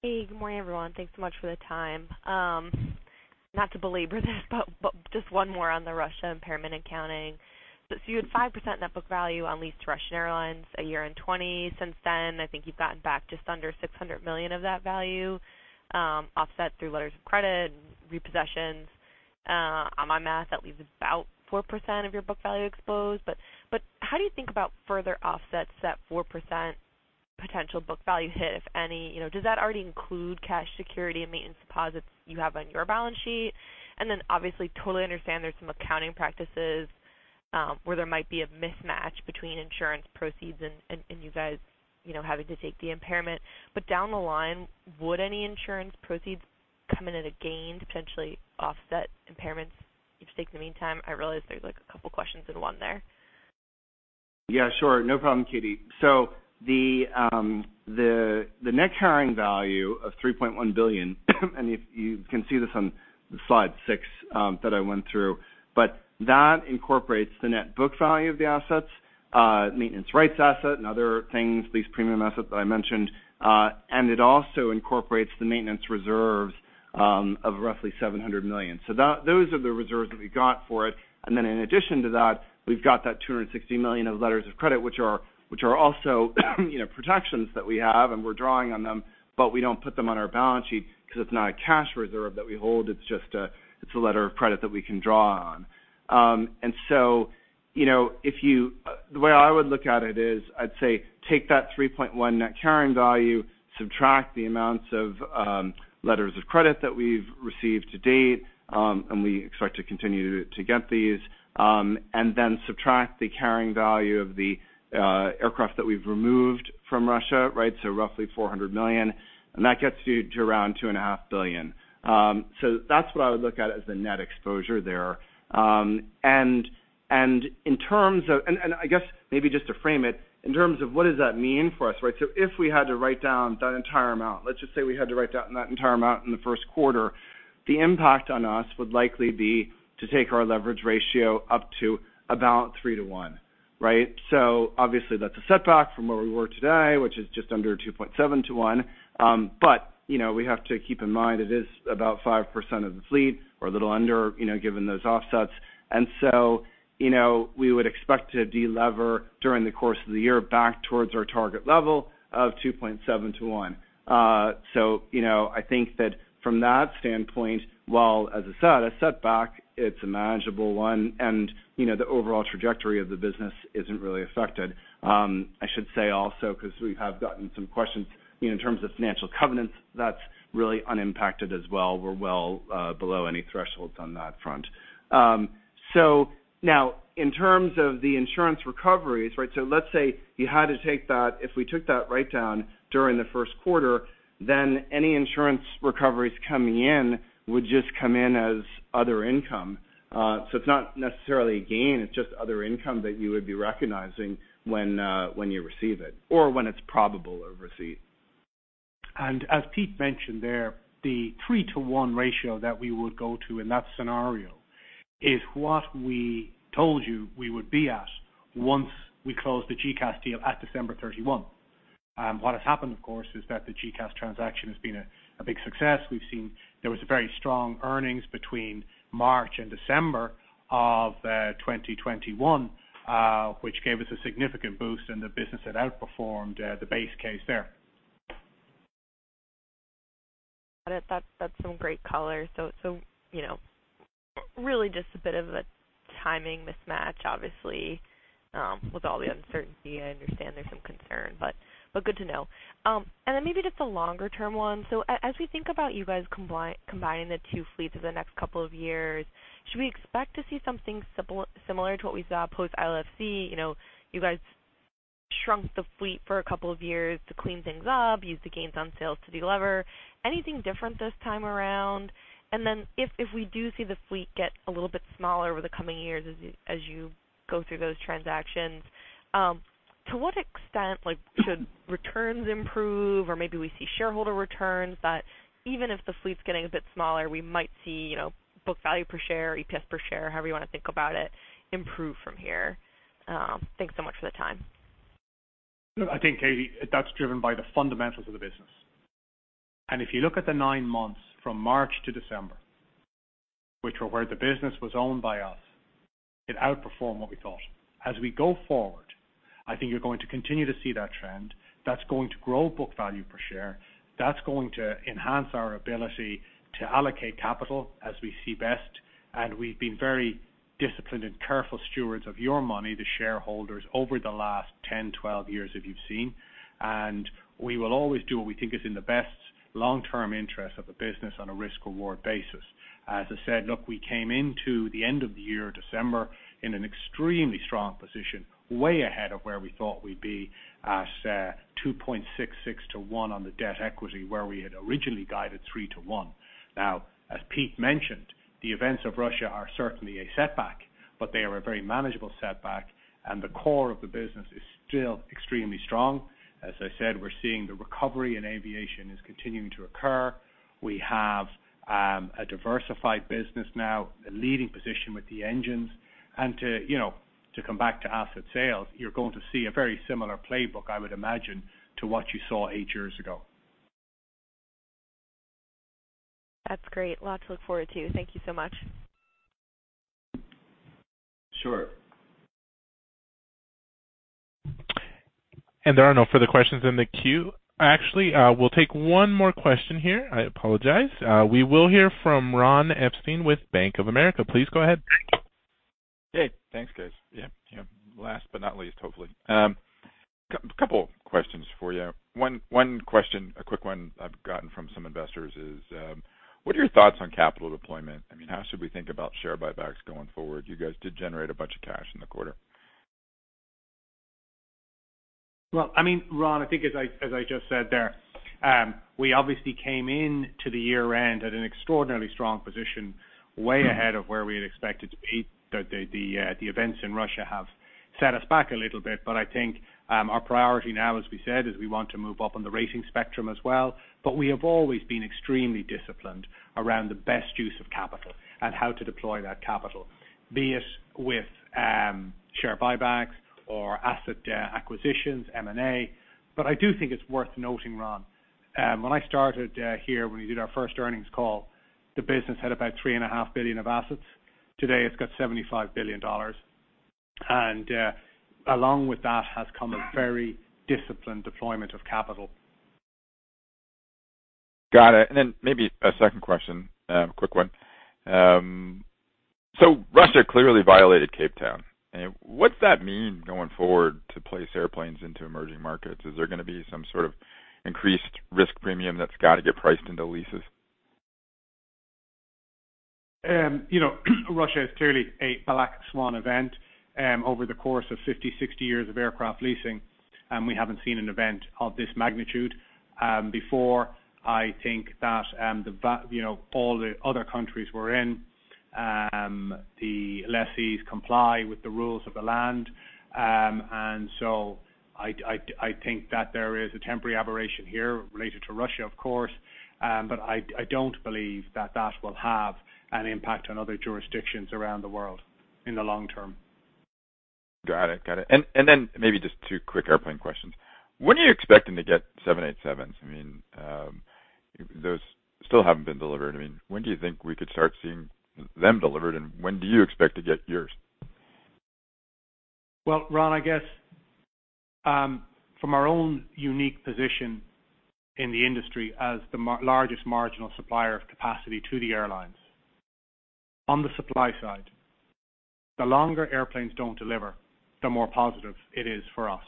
Hey, good morning, everyone. Thanks so much for the time. Not to belabor this, but just one more on the Russian impairment accounting. If you had 5% net book value on leased Russian airlines a year in 2020, since then, I think you've gotten back just under $600 million of that value, offset through letters of credit and repossessions. On my math, that leaves about 4% of your book value exposed. How do you think about further offsets to that 4% potential book value hit, if any? You know, does that already include cash security and maintenance deposits you have on your balance sheet? Then obviously, I totally understand there's some accounting practices, where there might be a mismatch between insurance proceeds and you guys, you know, having to take the impairment. Down the line, would any insurance proceeds come in at a gain to potentially offset impairments you take in the meantime? I realize there's like a couple questions in one there. Yeah, sure. No problem, Catie. The net carrying value of $3.1 billion, and if you can see this on slide 6 that I went through, but that incorporates the net book value of the assets, maintenance rights asset and other things, lease premium assets that I mentioned. And it also incorporates the maintenance reserves of roughly $700 million. Those are the reserves that we got for it. Then in addition to that, we've got that $260 million of letters of credit, which are also, you know, protections that we have, and we're drawing on them, but we don't put them on our balance sheet because it's not a cash reserve that we hold. It's just a letter of credit that we can draw on. You know, the way I would look at it is, I'd say take that $3.1 billion net carrying value, subtract the amounts of letters of credit that we've received to date, and we expect to continue to get these, and then subtract the carrying value of the aircraft that we've removed from Russia, right? Roughly $400 million, and that gets you to around $2.5 billion. That's what I would look at as the net exposure there. In terms of, I guess maybe just to frame it in terms of what does that mean for us, right? If we had to write down that entire amount, let's just say we had to write down that entire amount in the first quarter, the impact on us would likely be to take our leverage ratio up to about 3 to 1, right? Obviously, that's a setback from where we were today, which is just under 2.7 to 1. But, you know, we have to keep in mind it is about 5% of the fleet or a little under, you know, given those offsets. You know, we would expect to delever during the course of the year back towards our target level of 2.7 to 1. You know, I think that from that standpoint, while as I said, a setback, it's a manageable one. You know, the overall trajectory of the business isn't really affected. I should say also, because we have gotten some questions, you know, in terms of financial covenants, that's really unimpacted as well. We're well below any thresholds on that front. Now in terms of the insurance recoveries, right? Let's say you had to take that. If we took that write down during the first quarter, then any insurance recoveries coming in would just come in as other income. It's not necessarily a gain, it's just other income that you would be recognizing when you receive it or when it's probable of receipt. As Pete mentioned there, the 3-to-1 ratio that we would go to in that scenario is what we told you we would be at once we closed the GECAS deal at December 31. What has happened, of course, is that the GECAS transaction has been a big success. We've seen there was very strong earnings between March and December of 2021, which gave us a significant boost in the business that outperformed the base case there. That's some great color. You know, really just a bit of a timing mismatch. Obviously, with all the uncertainty, I understand there's some concern, but good to know. Then maybe just a longer-term one. As we think about you guys combining the two fleets over the next couple of years, should we expect to see something similar to what we saw post-ILFC? You know, you guys shrunk the fleet for a couple of years to clean things up, use the gains on sales to delever. Anything different this time around? Then if we do see the fleet get a little bit smaller over the coming years as you go through those transactions, to what extent, like should returns improve or maybe we see shareholder returns, that even if the fleet's getting a bit smaller, we might see, you know, book value per share or EPS per share, however you want to think about it, improve from here? Thanks so much for the time. Look, I think, Catie, that's driven by the fundamentals of the business. If you look at the nine months from March to December, which were where the business was owned by us, it outperformed what we thought. As we go forward, I think you're going to continue to see that trend. That's going to grow book value per share. That's going to enhance our ability to allocate capital as we see best. We've been very disciplined and careful stewards of your money, the shareholders, over the last 10, 12 years that you've seen. We will always do what we think is in the best long-term interest of the business on a risk/reward basis. As I said, look, we came into the end of the year, December, in an extremely strong position, way ahead of where we thought we'd be at, 2.66 to 1 on the debt equity, where we had originally guided 3 to 1. Now, as Pete mentioned, the events of Russia are certainly a setback, but they are a very manageable setback, and the core of the business is still extremely strong. As I said, we're seeing the recovery in aviation is continuing to occur. We have a diversified business now, a leading position with the engines. To, you know, to come back to asset sales, you're going to see a very similar playbook, I would imagine, to what you saw 8 years ago. That's great. A lot to look forward to. Thank you so much. Sure. There are no further questions in the queue. Actually, we'll take one more question here. I apologize. We will hear from Ronald Epstein with Bank of America. Please go ahead. Hey, thanks, guys. Yeah, yeah. Last but not least, hopefully. Couple questions for you. One question, a quick one I've gotten from some investors is, what are your thoughts on capital deployment? I mean, how should we think about share buybacks going forward? You guys did generate a bunch of cash in the quarter. Well, I mean, Ron, I think as I just said there, we obviously came in to the year-end at an extraordinarily strong position, way ahead of where we had expected to be. The events in Russia have set us back a little bit, but I think our priority now, as we said, is we want to move up on the rating spectrum as well. We have always been extremely disciplined around the best use of capital and how to deploy that capital, be it with share buybacks or asset acquisitions, M&A. I do think it's worth noting, Ron, when I started here, when we did our first earnings call, the business had about $3.5 billion of assets. Today, it's got $75 billion. Along with that has come a very disciplined deployment of capital. Got it. Maybe a second question, a quick one. Russia clearly violated Cape Town. What's that mean going forward to place airplanes into emerging markets? Is there gonna be some sort of increased risk premium that's got to get priced into leases? You know, Russia is clearly a black swan event. Over the course of 50, 60 years of aircraft leasing, we haven't seen an event of this magnitude before. I think that you know, all the other countries we're in, the lessees comply with the rules of the land. I think that there is a temporary aberration here related to Russia, of course. I don't believe that that will have an impact on other jurisdictions around the world in the long term. Got it. Maybe just two quick airplane questions. When are you expecting to get 787s? I mean, those still haven't been delivered. I mean, when do you think we could start seeing them delivered, and when do you expect to get yours? Well, Ron, I guess, from our own unique position in the industry as the largest marginal supplier of capacity to the airlines. On the supply side, the longer airplanes don't deliver, the more positive it is for us.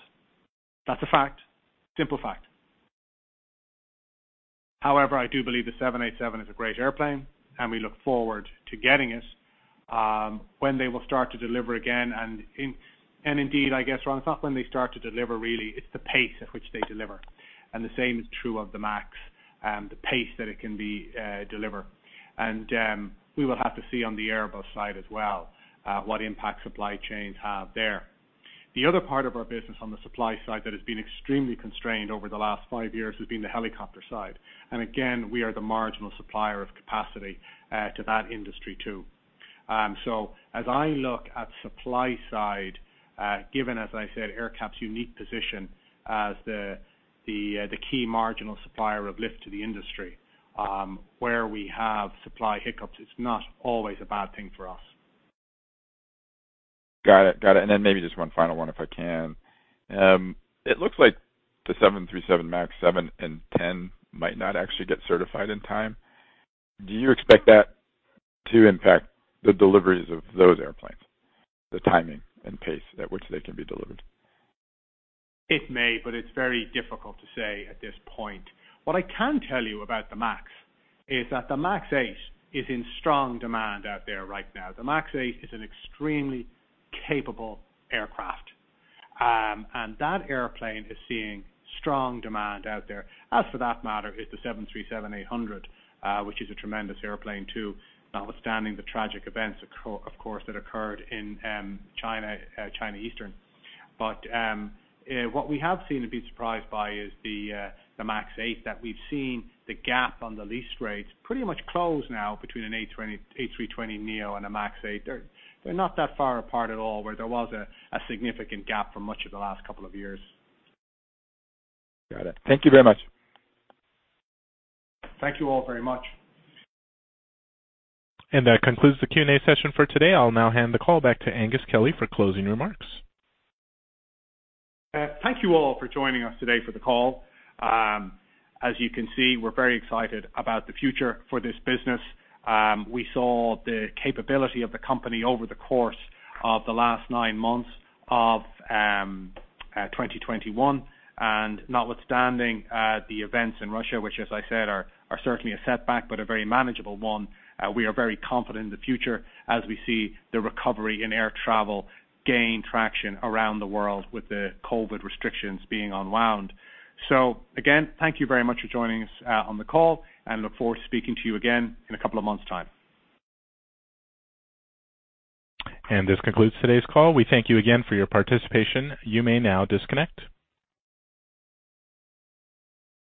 That's a fact, simple fact. However, I do believe the 787 is a great airplane, and we look forward to getting it when they will start to deliver again. Indeed, I guess, Ron, it's not when they start to deliver really, it's the pace at which they deliver. The same is true of the MAX, the pace that it can be deliver. We will have to see on the Airbus side as well what impact supply chains have there. The other part of our business on the supply side that has been extremely constrained over the last five years has been the helicopter side. Again, we are the marginal supplier of capacity to that industry, too. As I look at supply side, given, as I said, AerCap's unique position as the key marginal supplier of lift to the industry, where we have supply hiccups, it's not always a bad thing for us. Got it. Maybe just one final one, if I can. It looks like the 737 MAX 7 and 10 might not actually get certified in time. Do you expect that to impact the deliveries of those airplanes, the timing and pace at which they can be delivered? It may, but it's very difficult to say at this point. What I can tell you about the MAX is that the MAX 8 is in strong demand out there right now. The MAX 8 is an extremely capable aircraft. And that airplane is seeing strong demand out there. As for that matter is the 737-800, which is a tremendous airplane, too, notwithstanding the tragic events, of course, that occurred in China Eastern. What we have seen and been surprised by is the MAX 8 that we've seen the gap on the lease rates pretty much close now between an A320neo and a MAX 8. They're not that far apart at all, where there was a significant gap for much of the last couple of years. Got it. Thank you very much. Thank you all very much. That concludes the Q&A session for today. I'll now hand the call back to Aengus Kelly for closing remarks. Thank you all for joining us today for the call. As you can see, we're very excited about the future for this business. We saw the capability of the company over the course of the last nine months of 2021. Notwithstanding the events in Russia, which, as I said, are certainly a setback, but a very manageable one, we are very confident in the future as we see the recovery in air travel gain traction around the world with the COVID restrictions being unwound. Again, thank you very much for joining us on the call, and look forward to speaking to you again in a couple of months' time. This concludes today's call. We thank you again for your participation. You may now disconnect.